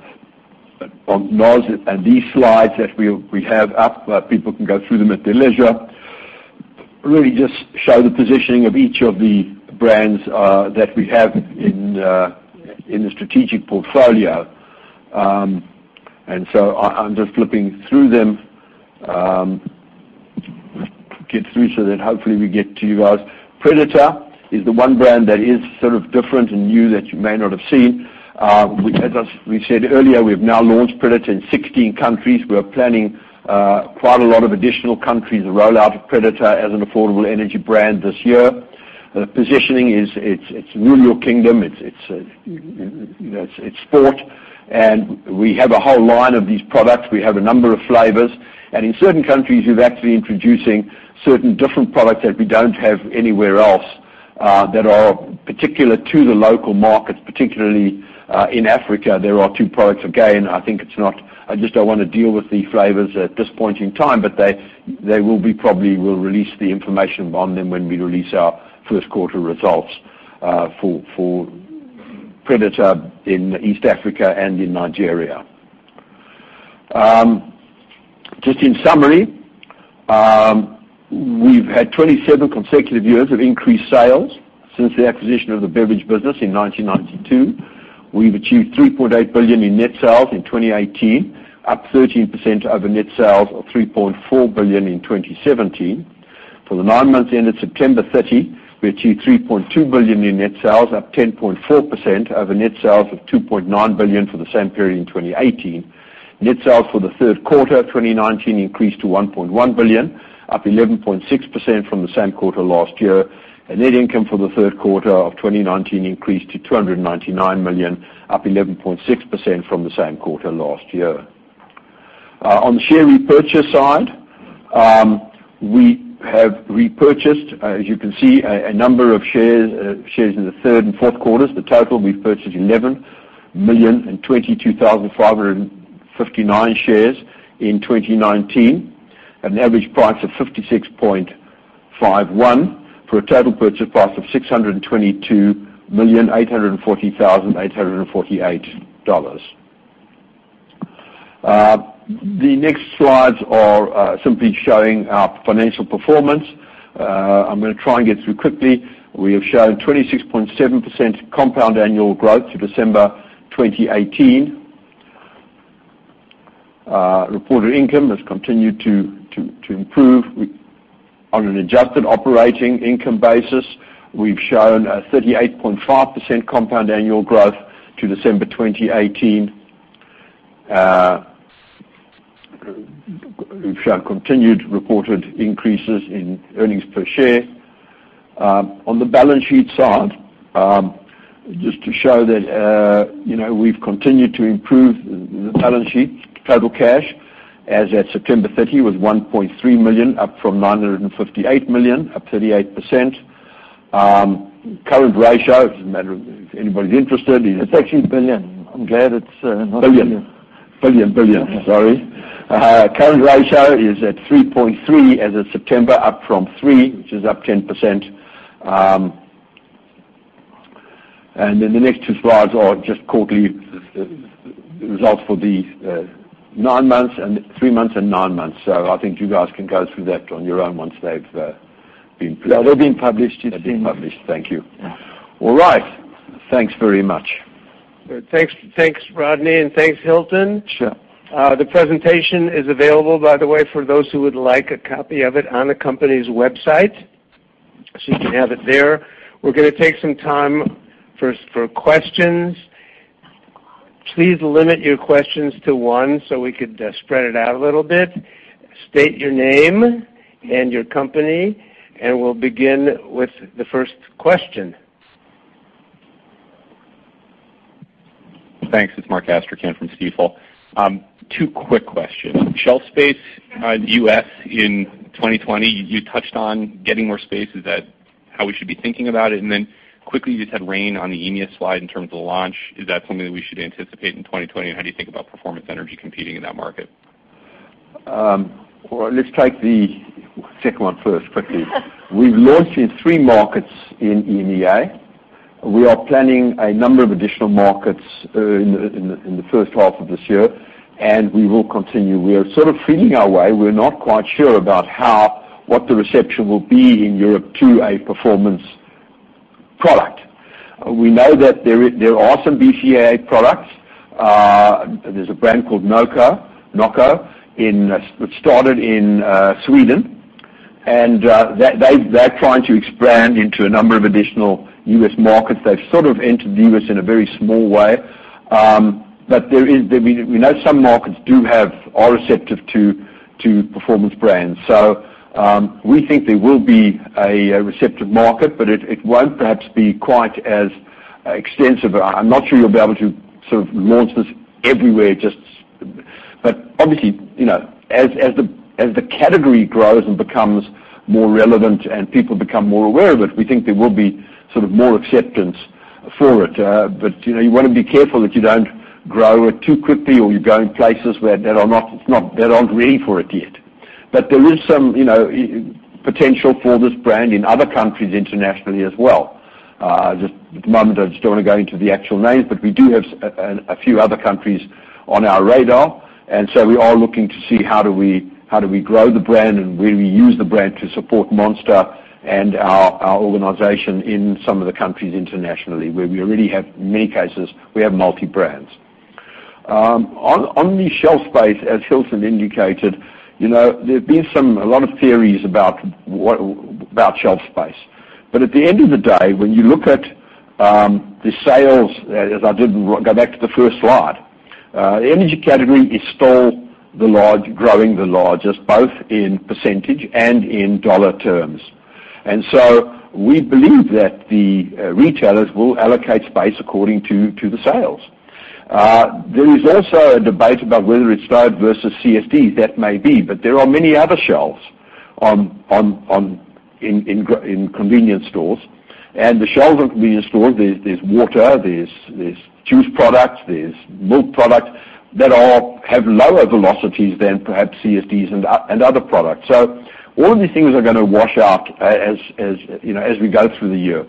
On NOS and these slides that we have up, people can go through them at their leisure. Really just show the positioning of each of the brands that we have in the strategic portfolio. I'm just flipping through them. Get through so that hopefully we get to you guys. Predator is the one brand that is sort of different and new that you may not have seen, which as we said earlier, we've now launched Predator in 16 countries. We are planning quite a lot of additional countries, a rollout of Predator as an affordable energy brand this year. The positioning is it's rule your kingdom. It's sport. We have a whole line of these products. We have a number of flavors, and in certain countries, we're actually introducing certain different products that we don't have anywhere else that are particular to the local markets. Particularly in Africa, there are two products. Again, I just don't want to deal with the flavors at this point in time, but they probably will release the information on them when we release our first-quarter results for Predator in East Africa and in Nigeria. Just in summary, we've had 27 consecutive years of increased sales since the acquisition of the beverage business in 1992. We've achieved $3.8 billion in net sales in 2018, up 13% over net sales of $3.4 billion in 2017. For the nine months ended September 30, we achieved $3.2 billion in net sales, up 10.4% over net sales of $2.9 billion for the same period in 2018. Net sales for the third quarter 2019 increased to $1.1 billion, up 11.6% from the same quarter last year, and net income for the third quarter of 2019 increased to $299 million, up 11.6% from the same quarter last year. On the share repurchase side, we have repurchased, as you can see, a number of shares in the third and fourth quarters. The total, we've purchased 11,022,559 shares in 2019 at an average price of $56.51 for a total purchase price of $622,840,848. The next slides are simply showing our financial performance. I'm going to try and get through quickly. We have shown 26.7% compound annual growth through December 2018. Reported income has continued to improve. On an adjusted operating income basis, we've shown a 38.5% compound annual growth to December 2018. We've shown continued reported increases in earnings per share. On the balance sheet side, just to show that we've continued to improve the balance sheet. Total cash as at September 30 was $1.3 million, up from $958 million, up 38%. Current ratio, if anybody's interested. It's actually billion. I'm glad it's not million. Billion. Billion, sorry. Current ratio is at 3.3 as of September, up from three, which is up 10%. The next two slides are just quarterly results for the three months and nine months. I think you guys can go through that on your own. Yeah, they've been published. They've been published. Thank you. All right. Thanks very much. Thanks, Rodney, and thanks, Hilton. Sure. The presentation is available, by the way, for those who would like a copy of it on the company's website. You can have it there. We're going to take some time first for questions. Please limit your questions to one. We could spread it out a little bit. State your name and your company. We'll begin with the first question. Thanks. It's Mark Astrachan from Stifel. Two quick questions. Shelf space, U.S. in 2020, you touched on getting more space. Is that how we should be thinking about it? Then quickly, you said Reign on the EMEA slide in terms of the launch. Is that something that we should anticipate in 2020? How do you think about performance energy competing in that market? Well, let's take the second one first quickly. We've launched in three markets in EMEA. We are planning a number of additional markets in the first half of this year, and we will continue. We are sort of feeling our way. We're not quite sure about what the reception will be in Europe to a performance product. We know that there are some BCAA products. There's a brand called NOCCO that started in Sweden, and they're trying to expand into a number of additional U.S. markets. They've sort of entered the U.S. in a very small way. We know some markets are receptive to performance brands. We think there will be a receptive market, but it won't perhaps be quite as extensive. I'm not sure you'll be able to sort of launch this everywhere. Obviously, as the category grows and becomes more relevant and people become more aware of it, we think there will be sort of more acceptance for it. You want to be careful that you don't grow it too quickly or you go in places where they're not ready for it yet. There is some potential for this brand in other countries internationally as well. Just at the moment, I just don't want to go into the actual names, but we do have a few other countries on our radar, and so we are looking to see how do we grow the brand and where do we use the brand to support Monster and our organization in some of the countries internationally, where we already have, in many cases, we have multi brands. On the shelf space, as Hilton indicated, there have been a lot of theories about shelf space. At the end of the day, when you look at the sales, as I did, go back to the first slide. The energy category is still growing the largest, both in percentage and in dollar terms. We believe that the retailers will allocate space according to the sales. There is also a debate about whether it's [CSDs versus CSDs. That may be. There are many other shelves in convenience stores, and the shelves in convenience stores, there's water, there's juice products, there's milk products that all have lower velocities than perhaps CSDs and other products. All of these things are going to wash out as we go through the year.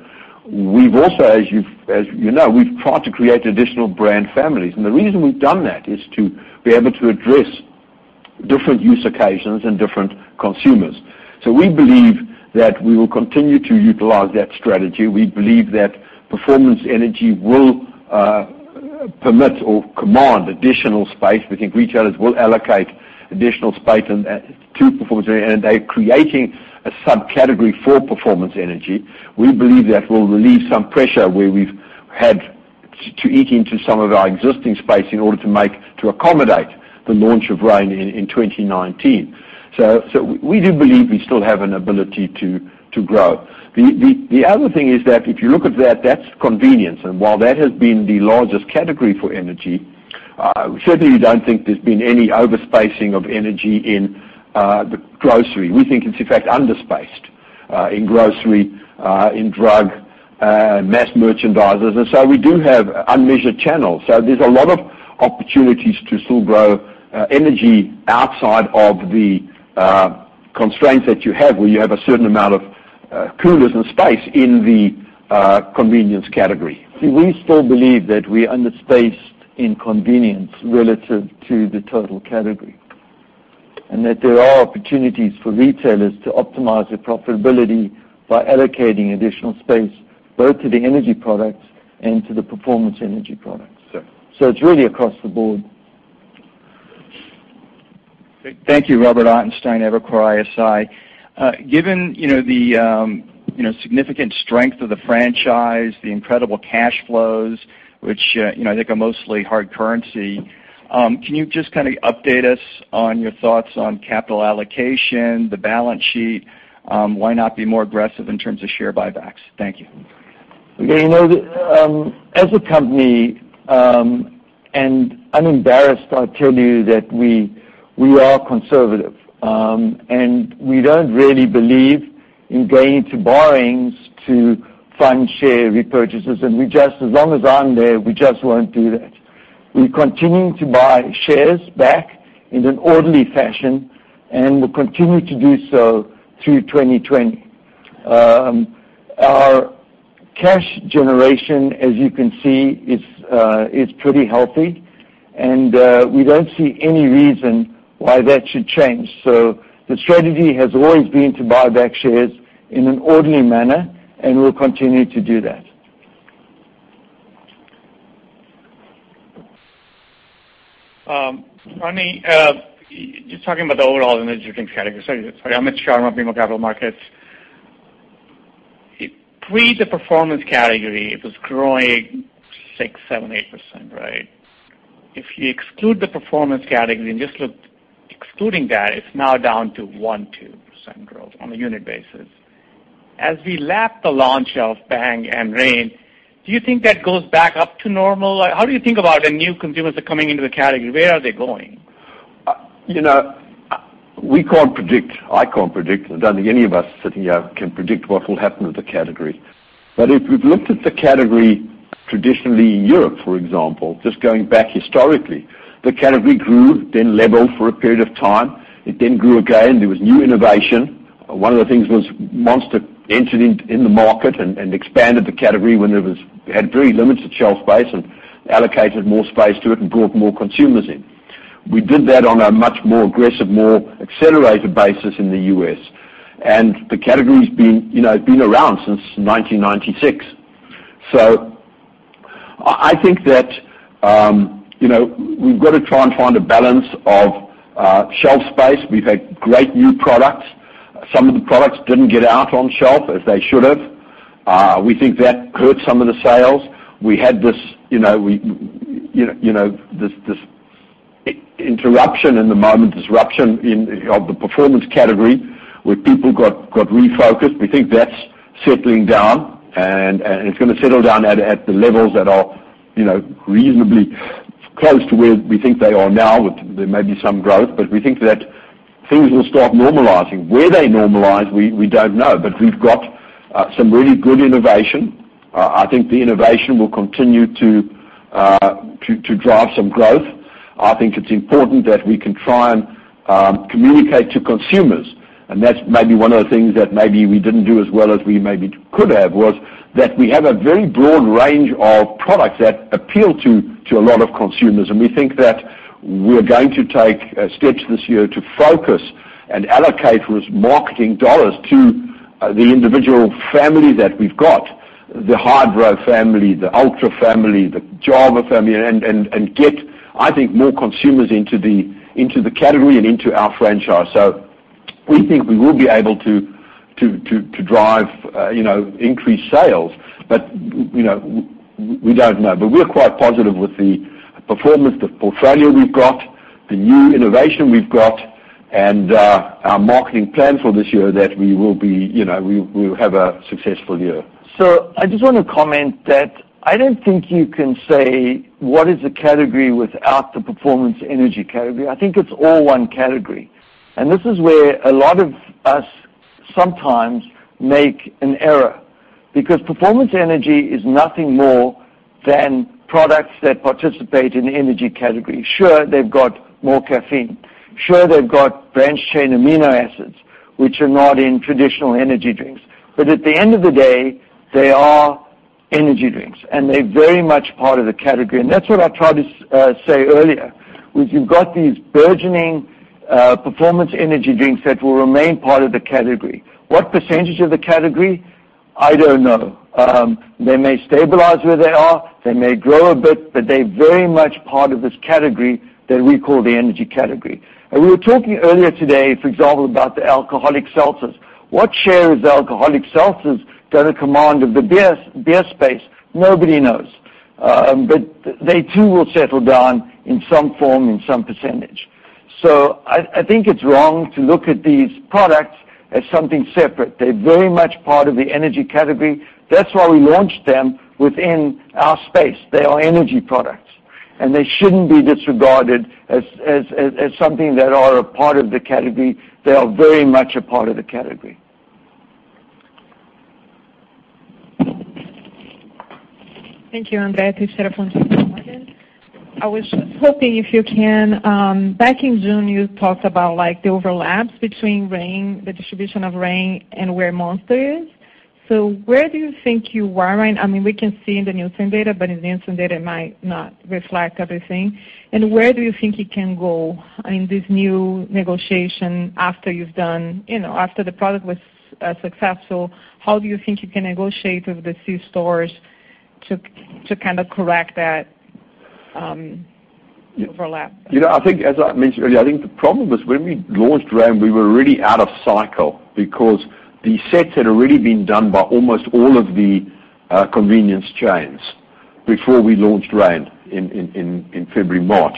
We've also, as you know, we've tried to create additional brand families. The reason we've done that is to be able to address different use occasions and different consumers. We believe that we will continue to utilize that strategy. We believe that performance energy will permit or command additional space. We think retailers will allocate additional space to performance energy, and they're creating a subcategory for performance energy. We believe that will relieve some pressure where we've had to eat into some of our existing space in order to accommodate the launch of Reign in 2019. We do believe we still have an ability to grow. The other thing is that if you look at that's convenience. While that has been the largest category for energy, certainly don't think there's been any over spacing of energy in the grocery. We think it's, in fact, under spaced, in grocery, in drug, mass merchandisers. We do have unmeasured channels. There's a lot of opportunities to still grow energy outside of the constraints that you have, where you have a certain amount of coolers and space in the convenience category. We still believe that we're under spaced in convenience relative to the total category, and that there are opportunities for retailers to optimize their profitability by allocating additional space both to the energy products and to the performance energy products. Sure. It's really across the board. Thank you, Robert Ottenstein, Evercore ISI. Given the significant strength of the franchise, the incredible cash flows, which I think are mostly hard currency, can you just update us on your thoughts on capital allocation, the balance sheet? Why not be more aggressive in terms of share buybacks? Thank you. As a company, unembarrassed, I'll tell you that we are conservative. We don't really believe in going to borrowings to fund share repurchases. As long as I'm there, we just won't do that. We continue to buy shares back in an orderly fashion and will continue to do so through 2020. Our cash generation, as you can see, is pretty healthy, and we don't see any reason why that should change. The strategy has always been to buy back shares in an orderly manner, and we'll continue to do that. Rodney, just talking about the overall energy drinks category. Sorry. I'm Mitch Franklin, BMO Capital Markets. Pre the performance category, it was growing 6%, 7%, 8%, right? If you exclude the performance category and just look excluding that, it's now down to 1%, 2% growth on a unit basis. As we lap the launch of Bang and Reign, do you think that goes back up to normal? How do you think about when new consumers are coming into the category? Where are they going? We can't predict. I can't predict. I don't think any of us sitting here can predict what will happen with the category. If we've looked at the category traditionally in Europe, for example, just going back historically, the category grew, then leveled for a period of time. Grew again. There was new innovation. One of the things was Monster entered in the market and expanded the category when it had very limited shelf space and allocated more space to it and brought more consumers in. We did that on a much more aggressive, more accelerated basis in the U.S. The category's been around since 1996. I think that we've got to try and find a balance of shelf space. We've had great new products. Some of the products didn't get out on shelf as they should have. We think that hurt some of the sales. We had this interruption in the moment, disruption of the performance category, where people got refocused. We think that's settling down, and it's going to settle down at the levels that are reasonably close to where we think they are now. There may be some growth, but we think that things will start normalizing. Where they normalize, we don't know. But we've got some really good innovation. I think the innovation will continue to drive some growth. I think it's important that we can try and communicate to consumers. That's maybe one of the things that maybe we didn't do as well as we maybe could have, was that we have a very broad range of products that appeal to a lot of consumers. We think that we're going to take steps this year to focus and allocate those marketing dollars to the individual family that we've got, the Hydro family, the Ultra family, the Java family, and get, I think, more consumers into the category and into our franchise. We think we will be able to drive increased sales, but we don't know. We're quite positive with the performance, the portfolio we've got, the new innovation we've got, and our marketing plan for this year, that we will have a successful year. I just want to comment that I don't think you can say what is a category without the performance energy category. I think it's all one category. This is where a lot of us sometimes make an error, because performance energy is nothing more than products that participate in the energy category. Sure, they've got more caffeine. Sure, they've got branched-chain amino acids, which are not in traditional energy drinks. At the end of the day, they are energy drinks, and they're very much part of the category. That's what I tried to say earlier, which you've got these burgeoning performance energy drinks that will remain part of the category. What percentage of the category? I don't know. They may stabilize where they are. They may grow a bit, but they're very much part of this category that we call the energy category. We were talking earlier today, for example, about the alcoholic seltzers. What share of alcoholic seltzers going to command of the beer space? Nobody knows. They too will settle down in some form, in some percentage. I think it's wrong to look at these products as something separate. They're very much part of the energy category. That's why we launched them within our space. They are energy products, and they shouldn't be disregarded as something that are a part of the category. They are very much a part of the category. Thank you, Andrea. I was just hoping, if you can, back in June, you talked about the overlaps between the distribution of Reign and where Monster is. Where do you think you are? We can see in the Nielsen data, but in the Nielsen data, it might not reflect everything. Where do you think it can go in this new negotiation after the product was successful? How do you think you can negotiate with the C stores to kind of correct that overlap? As I mentioned earlier, I think the problem was when we launched Reign, we were really out of cycle because the sets had already been done by almost all of the convenience chains before we launched Reign in February, March.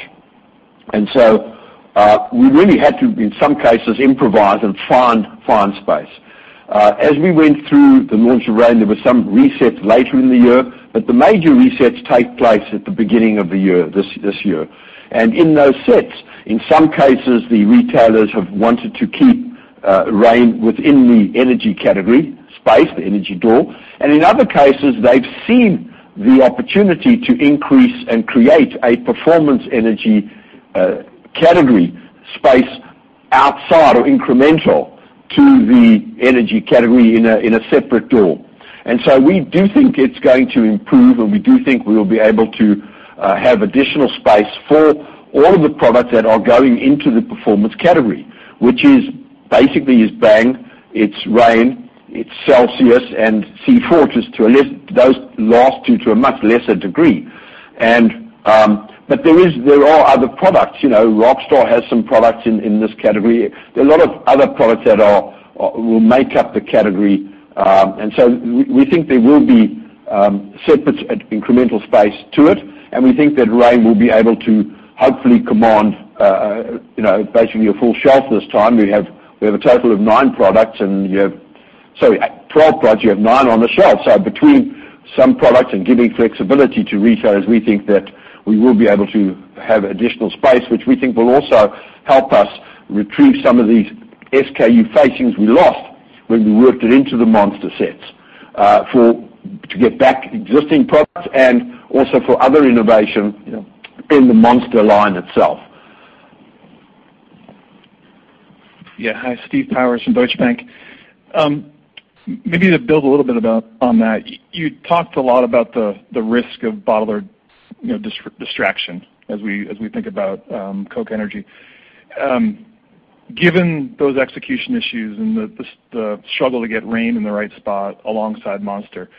We really had to, in some cases, improvise and find space. As we went through the launch of Reign, there were some resets later in the year, but the major resets take place at the beginning of this year. In those sets, in some cases, the retailers have wanted to keep Reign within the energy category space, the energy door. In other cases, they've seen the opportunity to increase and create a performance energy category space outside or incremental to the energy category in a separate door. We do think it's going to improve, and we do think we will be able to have additional space for all of the products that are going into the performance category, which is basically is Bang, it's Reign, it's Celsius, and C4, those last two to a much lesser degree. There are other products. Rockstar has some products in this category. There are a lot of other products that will make up the category. We think there will be separate incremental space to it, and we think that Reign will be able to hopefully command basically a full shelf this time. We have a total of nine products, and you have Sorry, 12 products. You have nine on the shelf. Between some products and giving flexibility to retailers, we think that we will be able to have additional space, which we think will also help us retrieve some of these SKU facings we lost when we worked it into the Monster sets to get back existing products and also for other innovation in the Monster line itself. Yeah. Hi. Steve Powers from Deutsche Bank. Maybe to build a little bit on that, you talked a lot about the risk of bottler distraction as we think about Coke Energy. Given those execution issues and the struggle to get Reign in the right spot alongside Monster,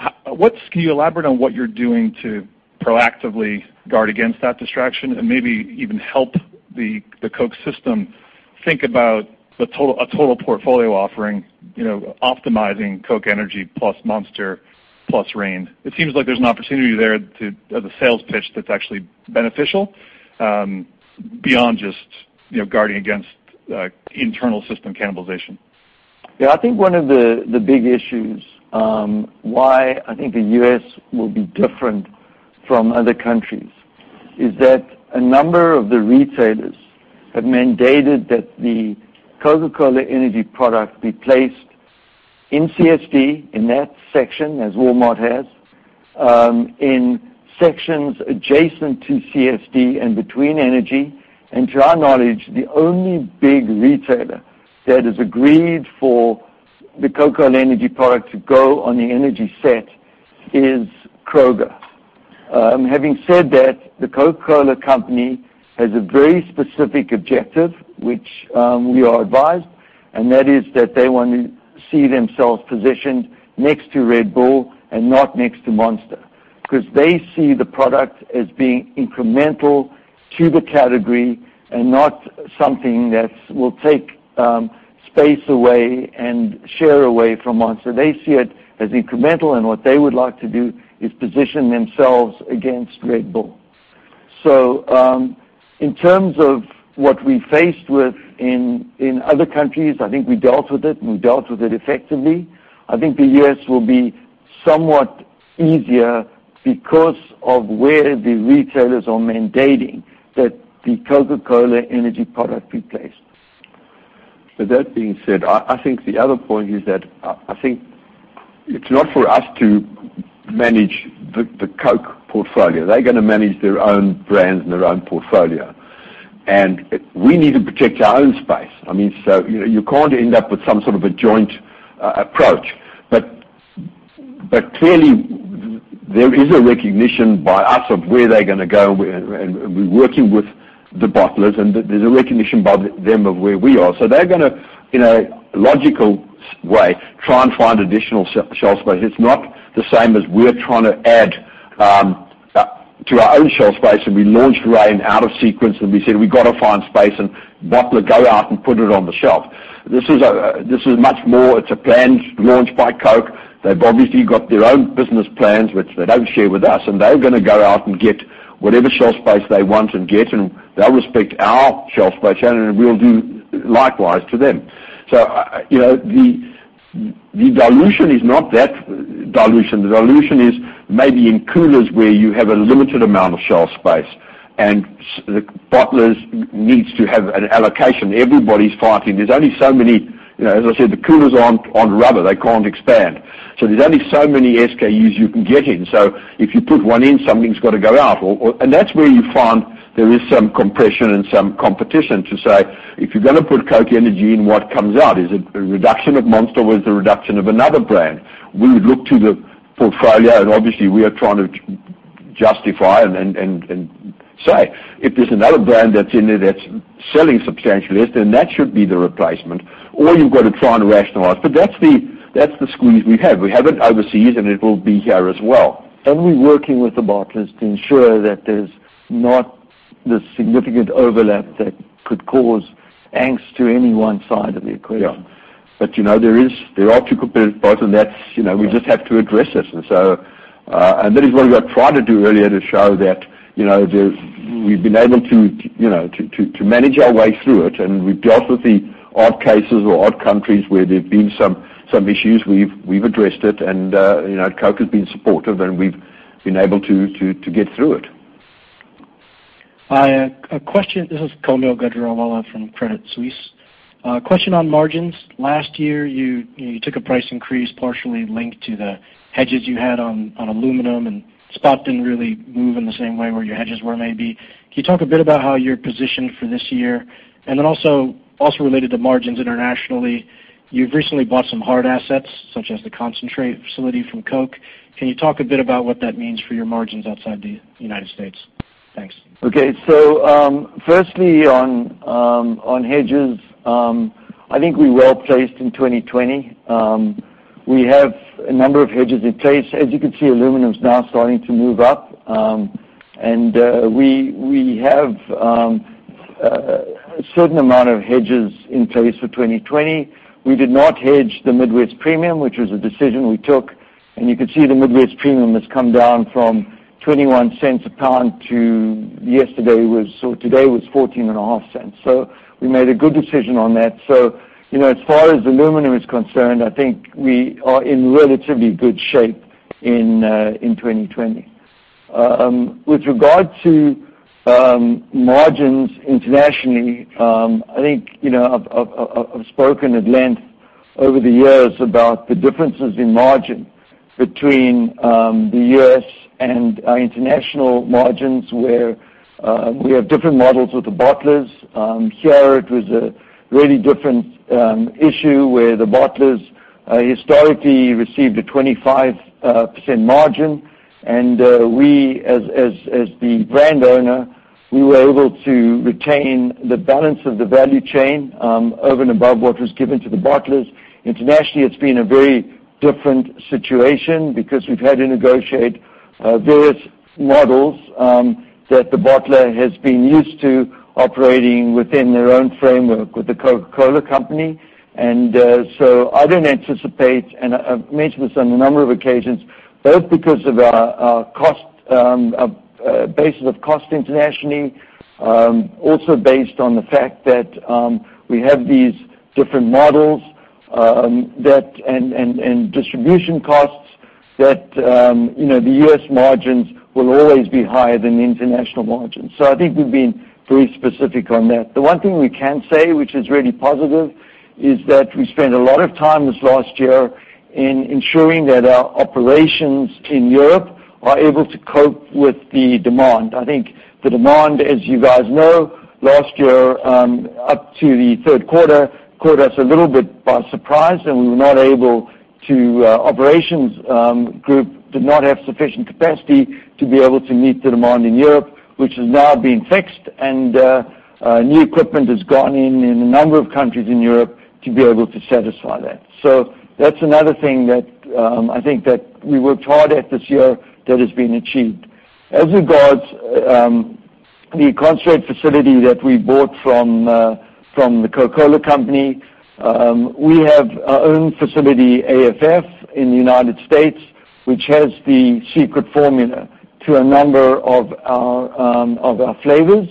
can you elaborate on what you're doing to proactively guard against that distraction and maybe even help the Coke system think about a total portfolio offering, optimizing Coke Energy plus Monster plus Reign? It seems like there's an opportunity there as a sales pitch that's actually beneficial beyond just guarding against internal system cannibalization. Yeah. I think one of the big issues why I think the U.S. will be different from other countries is that a number of the retailers have mandated that the Coca-Cola Energy product be placed in CSD, in that section, as Walmart has, in sections adjacent to CSD and between Energy. To our knowledge, the only big retailer that has agreed for the Coca-Cola Energy product to go on the Energy set is Kroger. Having said that, The Coca-Cola Company has a very specific objective, which we are advised, and that is that they want to see themselves positioned next to Red Bull and not next to Monster. Because they see the product as being incremental to the category and not something that will take space away and share away from Monster. They see it as incremental, and what they would like to do is position themselves against Red Bull. In terms of what we faced with in other countries, I think we dealt with it, and we dealt with it effectively. I think the U.S. will be somewhat easier because of where the retailers are mandating that the Coca-Cola Energy product be placed. With that being said, I think the other point is that I think it's not for us to manage the Coke portfolio. They're going to manage their own brand and their own portfolio. We need to protect our own space. You can't end up with some sort of a joint approach. Clearly, there is a recognition by us of where they're going to go, and we're working with the bottlers, and there's a recognition by them of where we are. They're going to, in a logical way, try and find additional shelf space. It's not the same as we're trying to add to our own shelf space, and we launched Reign out of sequence, and we said we got to find space and bottler go out and put it on the shelf. This is much more, it's a planned launch by Coke. They've obviously got their own business plans, which they don't share with us, They're going to go out and get whatever shelf space they want and get, They'll respect our shelf space, We'll do likewise to them. The dilution is not that dilution. The dilution is maybe in coolers where you have a limited amount of shelf space and the bottlers needs to have an allocation. Everybody's fighting. There's only so many, as I said, the coolers aren't on rubber, they can't expand. There's only so many SKUs you can get in. If you put one in, something's got to go out. That's where you find there is some compression and some competition to say, if you're going to put Coke Energy in, what comes out? Is it a reduction of Monster or is it a reduction of another brand? We would look to the portfolio, obviously, we are trying to justify and say, if there's another brand that's in there that's selling substantially less, then that should be the replacement, or you've got to try and rationalize. That's the squeeze we have. We have it overseas, it will be here as well. We're working with the bottlers to ensure that there's not the significant overlap that could cause angst to any one side of the equation. Yeah. There are two competitive parts, we just have to address this. That is what I tried to do earlier to show that we've been able to manage our way through it, and we've dealt with the odd cases or odd countries where there've been some issues. We've addressed it, and Coke has been supportive, and we've been able to get through it. Hi. A question. This is Kaumil Gajrawala from Credit Suisse. A question on margins. Last year, you took a price increase partially linked to the hedges you had on aluminum, and spot didn't really move in the same way where your hedges were maybe. Can you talk a bit about how you're positioned for this year? Then also related to margins internationally, you've recently bought some hard assets, such as the concentrate facility from Coke. Can you talk a bit about what that means for your margins outside the United States? Thanks. Okay. Firstly, on hedges, I think we're well-placed in 2020. We have a number of hedges in place. As you can see, aluminum's now starting to move up. We have a certain amount of hedges in place for 2020. We did not hedge the Midwest Premium, which was a decision we took, and you can see the Midwest Premium has come down from $0.21 a pound to yesterday was, or today was $0.145. We made a good decision on that. As far as aluminum is concerned, I think we are in relatively good shape in 2020. With regard to margins internationally, I think, I've spoken at length over the years about the differences in margin between the U.S. and our international margins, where we have different models with the bottlers. Here, it was a really different issue where the bottlers historically received a 25% margin, and we, as the brand owner, we were able to retain the balance of the value chain over and above what was given to the bottlers. Internationally, it's been a very different situation because we've had to negotiate various models that the bottler has been used to operating within their own framework with The Coca-Cola Company. I don't anticipate, and I've mentioned this on a number of occasions, both because of our basis of cost internationally, also based on the fact that we have these different models and distribution costs that the U.S. margins will always be higher than the international margins. I think we've been very specific on that. The one thing we can say, which is really positive, is that we spent a lot of time this last year in ensuring that our operations in Europe are able to cope with the demand. I think the demand, as you guys know, last year up to the third quarter caught us a little bit by surprise, and we were not able to operations group did not have sufficient capacity to be able to meet the demand in Europe, which has now been fixed and new equipment has gone in in a number of countries in Europe to be able to satisfy that. That's another thing that I think that we worked hard at this year that has been achieved. The concentrate facility that we bought from The Coca-Cola Company. We have our own facility, AFF, in the United States, which has the secret formula to a number of our flavors.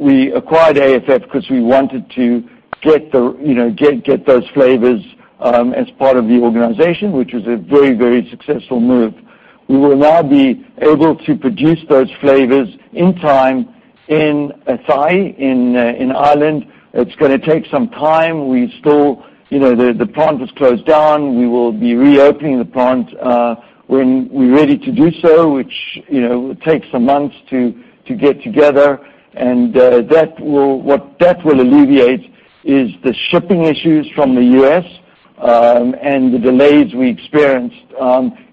We acquired AFF because we wanted to get those flavors as part of the organization, which was a very successful move. We will now be able to produce those flavors in time in Athy, in Ireland. It's going to take some time. The plant was closed down. We will be reopening the plant when we're ready to do so, which takes some months to get together. What that will alleviate is the shipping issues from the U.S. and the delays we experienced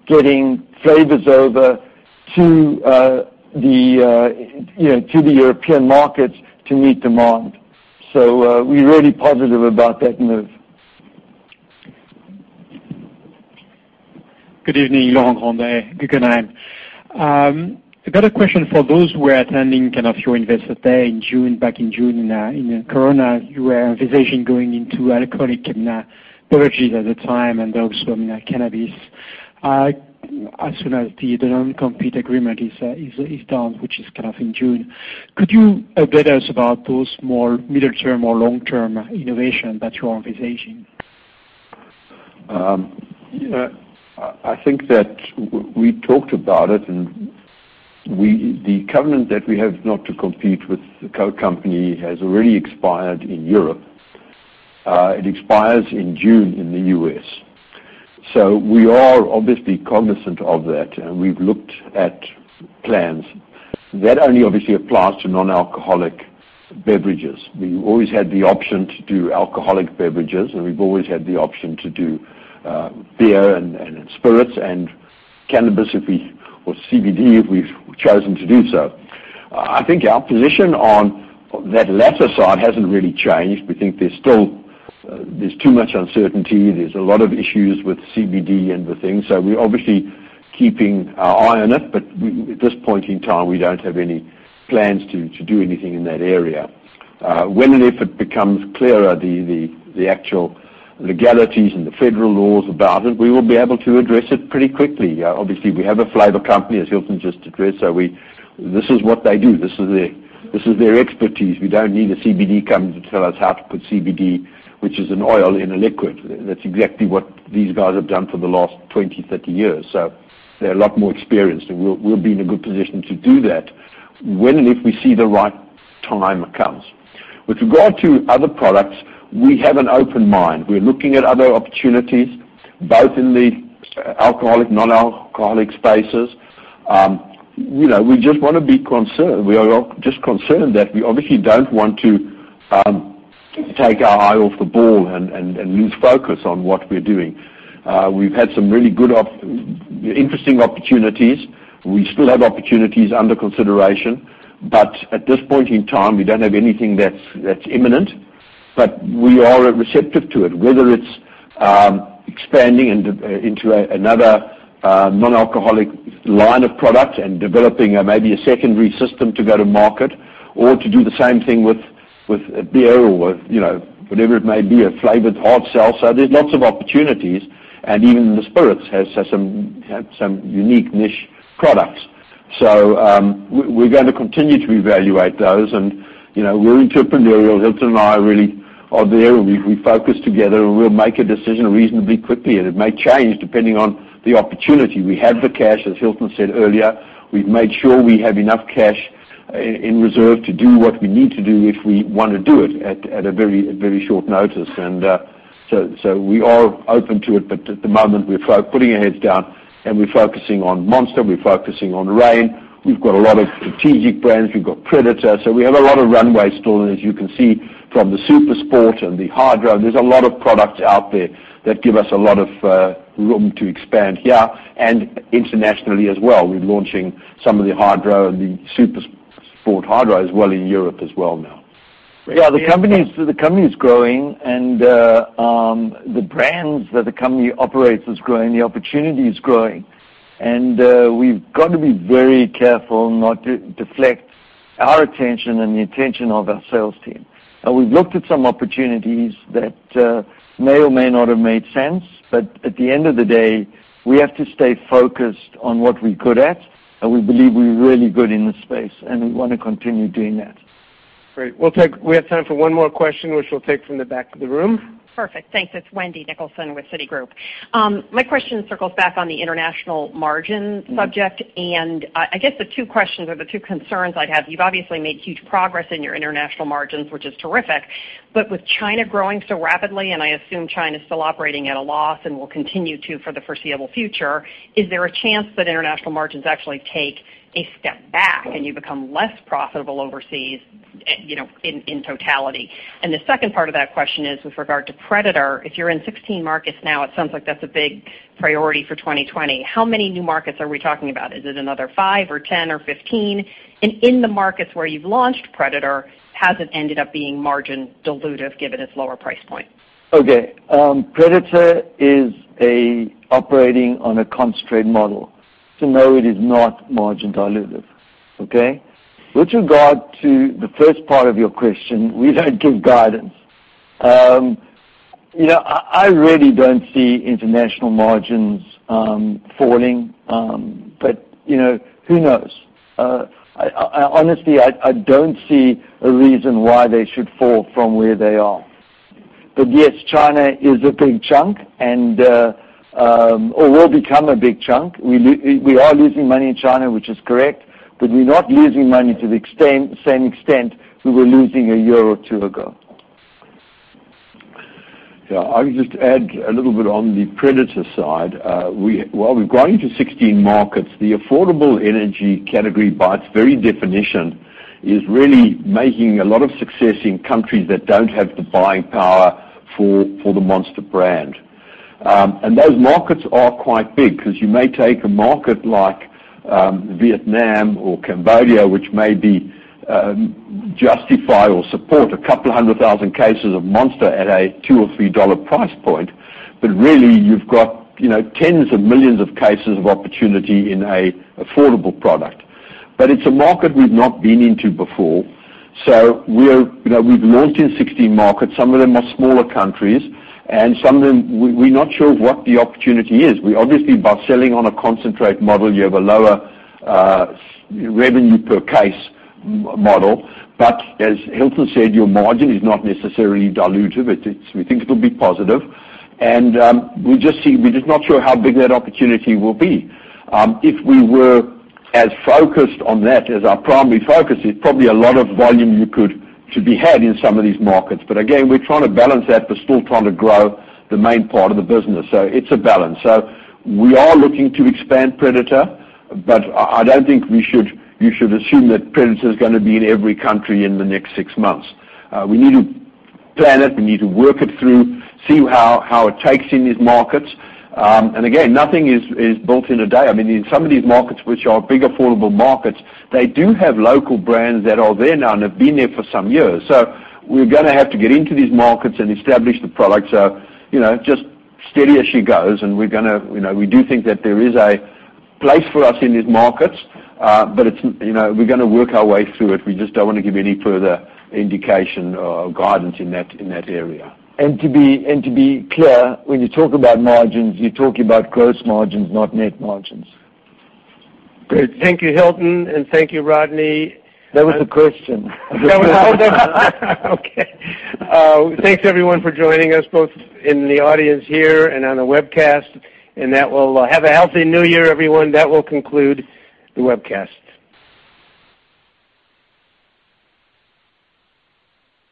getting flavors over to the European markets to meet demand. We're really positive about that move. Good evening. Laurent Grandet, Guggenheim. I got a question for those who were attending your investor day back in June. In Corona, you were envision going into alcoholic beverages at the time and also cannabis. As soon as the non-compete agreement is done, which is in June, could you update us about those more middle-term or long-term innovation that you are envisioning? I think that we talked about it, the covenant that we have not to compete with the Coke Company has already expired in Europe. It expires in June in the U.S. We are obviously cognizant of that, and we've looked at plans. That only obviously applies to non-alcoholic beverages. We've always had the option to do alcoholic beverages, and we've always had the option to do beer and spirits and cannabis or CBD, if we've chosen to do so. I think our position on that latter side hasn't really changed. We think there's too much uncertainty. There's a lot of issues with CBD and the thing. We're obviously keeping our eye on it, but at this point in time, we don't have any plans to do anything in that area. When and if it becomes clearer, the actual legalities and the federal laws about it, we will be able to address it pretty quickly. Obviously, we have a flavor company, as Hilton just addressed. This is what they do. This is their expertise. We don't need a CBD company to tell us how to put CBD, which is an oil in a liquid. That's exactly what these guys have done for the last 20, 30 years. They're a lot more experienced, and we'll be in a good position to do that when and if we see the right time comes. With regard to other products, we have an open mind. We're looking at other opportunities, both in the alcoholic, non-alcoholic spaces. We are just concerned that we obviously don't want to take our eye off the ball and lose focus on what we're doing. We've had some really good, interesting opportunities. We still have opportunities under consideration. At this point in time, we don't have anything that's imminent. We are receptive to it, whether it's expanding into another non-alcoholic line of product and developing maybe a secondary system to go to market or to do the same thing with beer or whatever it may be, a flavored hard seltzer. There's lots of opportunities, and even the spirits have some unique niche products. We're going to continue to evaluate those, and we're entrepreneurial. Hilton and I really are there. We focus together, and we'll make a decision reasonably quickly, and it may change depending on the opportunity. We have the cash, as Hilton said earlier. We've made sure we have enough cash in reserve to do what we need to do if we want to do it at a very short notice. We are open to it, but at the moment, we're putting our heads down and we're focusing on Monster. We're focusing on Reign. We've got a lot of strategic brands. We've got Predator. We have a lot of runways still, as you can see from the Super Sport and the Hydro. There's a lot of products out there that give us a lot of room to expand here and internationally as well. We're launching some of the Hydro, the Super Sport Hydro as well in Europe as well. The company's growing, and the brands that the company operates is growing, the opportunity is growing. We've got to be very careful not to deflect our attention and the attention of our sales team. We've looked at some opportunities that may or may not have made sense, but at the end of the day, we have to stay focused on what we're good at, and we believe we're really good in this space, and we want to continue doing that. Great. We have time for one more question, which we'll take from the back of the room. Perfect. Thanks. It's Wendy Nicholson with Citigroup. My question circles back on the international margin subject. I guess the two questions or the two concerns I'd have, you've obviously made huge progress in your international margins, which is terrific. With China growing so rapidly, and I assume China's still operating at a loss and will continue to for the foreseeable future, is there a chance that international margins actually take a step back and you become less profitable overseas in totality? The second part of that question is with regard to Predator, if you're in 16 markets now, it sounds like that's a big priority for 2020. How many new markets are we talking about? Is it another five or 10 or 15? In the markets where you've launched Predator, has it ended up being margin dilutive given its lower price point? Okay. Predator is operating on a concentrate model. No, it is not margin dilutive. Okay. With regard to the first part of your question, we don't give guidance. I really don't see international margins falling. Who knows? Honestly, I don't see a reason why they should fall from where they are. Yes, China is a big chunk or will become a big chunk. We are losing money in China, which is correct. We're not losing money to the same extent we were losing a year or two ago. Yeah. I would just add a little bit on the Predator side. While we've grown into 16 markets, the affordable energy category, by its very definition, is really making a lot of success in countries that don't have the buying power for the Monster brand. Those markets are quite big because you may take a market like Vietnam or Cambodia, which maybe justify or support a couple of hundred thousand cases of Monster at a $2 or $3 price point. Really, you've got 10s of millions of cases of opportunity in a affordable product. It's a market we've not been into before. We've launched in 16 markets. Some of them are smaller countries, and some of them, we're not sure what the opportunity is. Obviously, by selling on a concentrate model, you have a lower revenue per case model. As Hilton said, your margin is not necessarily diluted. We think it'll be positive, and we're just not sure how big that opportunity will be. If we were as focused on that as our primary focus, it's probably a lot of volume you could to be had in some of these markets. Again, we're trying to balance that but still trying to grow the main part of the business. It's a balance. We are looking to expand Predator, but I don't think you should assume that Predator is going to be in every country in the next six months. We need to plan it. We need to work it through, see how it takes in these markets. Again, nothing is built in a day. In some of these markets, which are big, affordable markets, they do have local brands that are there now and have been there for some years. We're going to have to get into these markets and establish the product. Just steady as she goes, and we do think that there is a place for us in these markets. We're going to work our way through it. We just don't want to give any further indication or guidance in that area. To be clear, when you talk about margins, you're talking about gross margins, not net margins. Great. Thank you, Hilton, and thank you, Rodney. That was a question. Okay. Thanks everyone for joining us, both in the audience here and on the webcast. Have a healthy new year, everyone. That will conclude the webcast.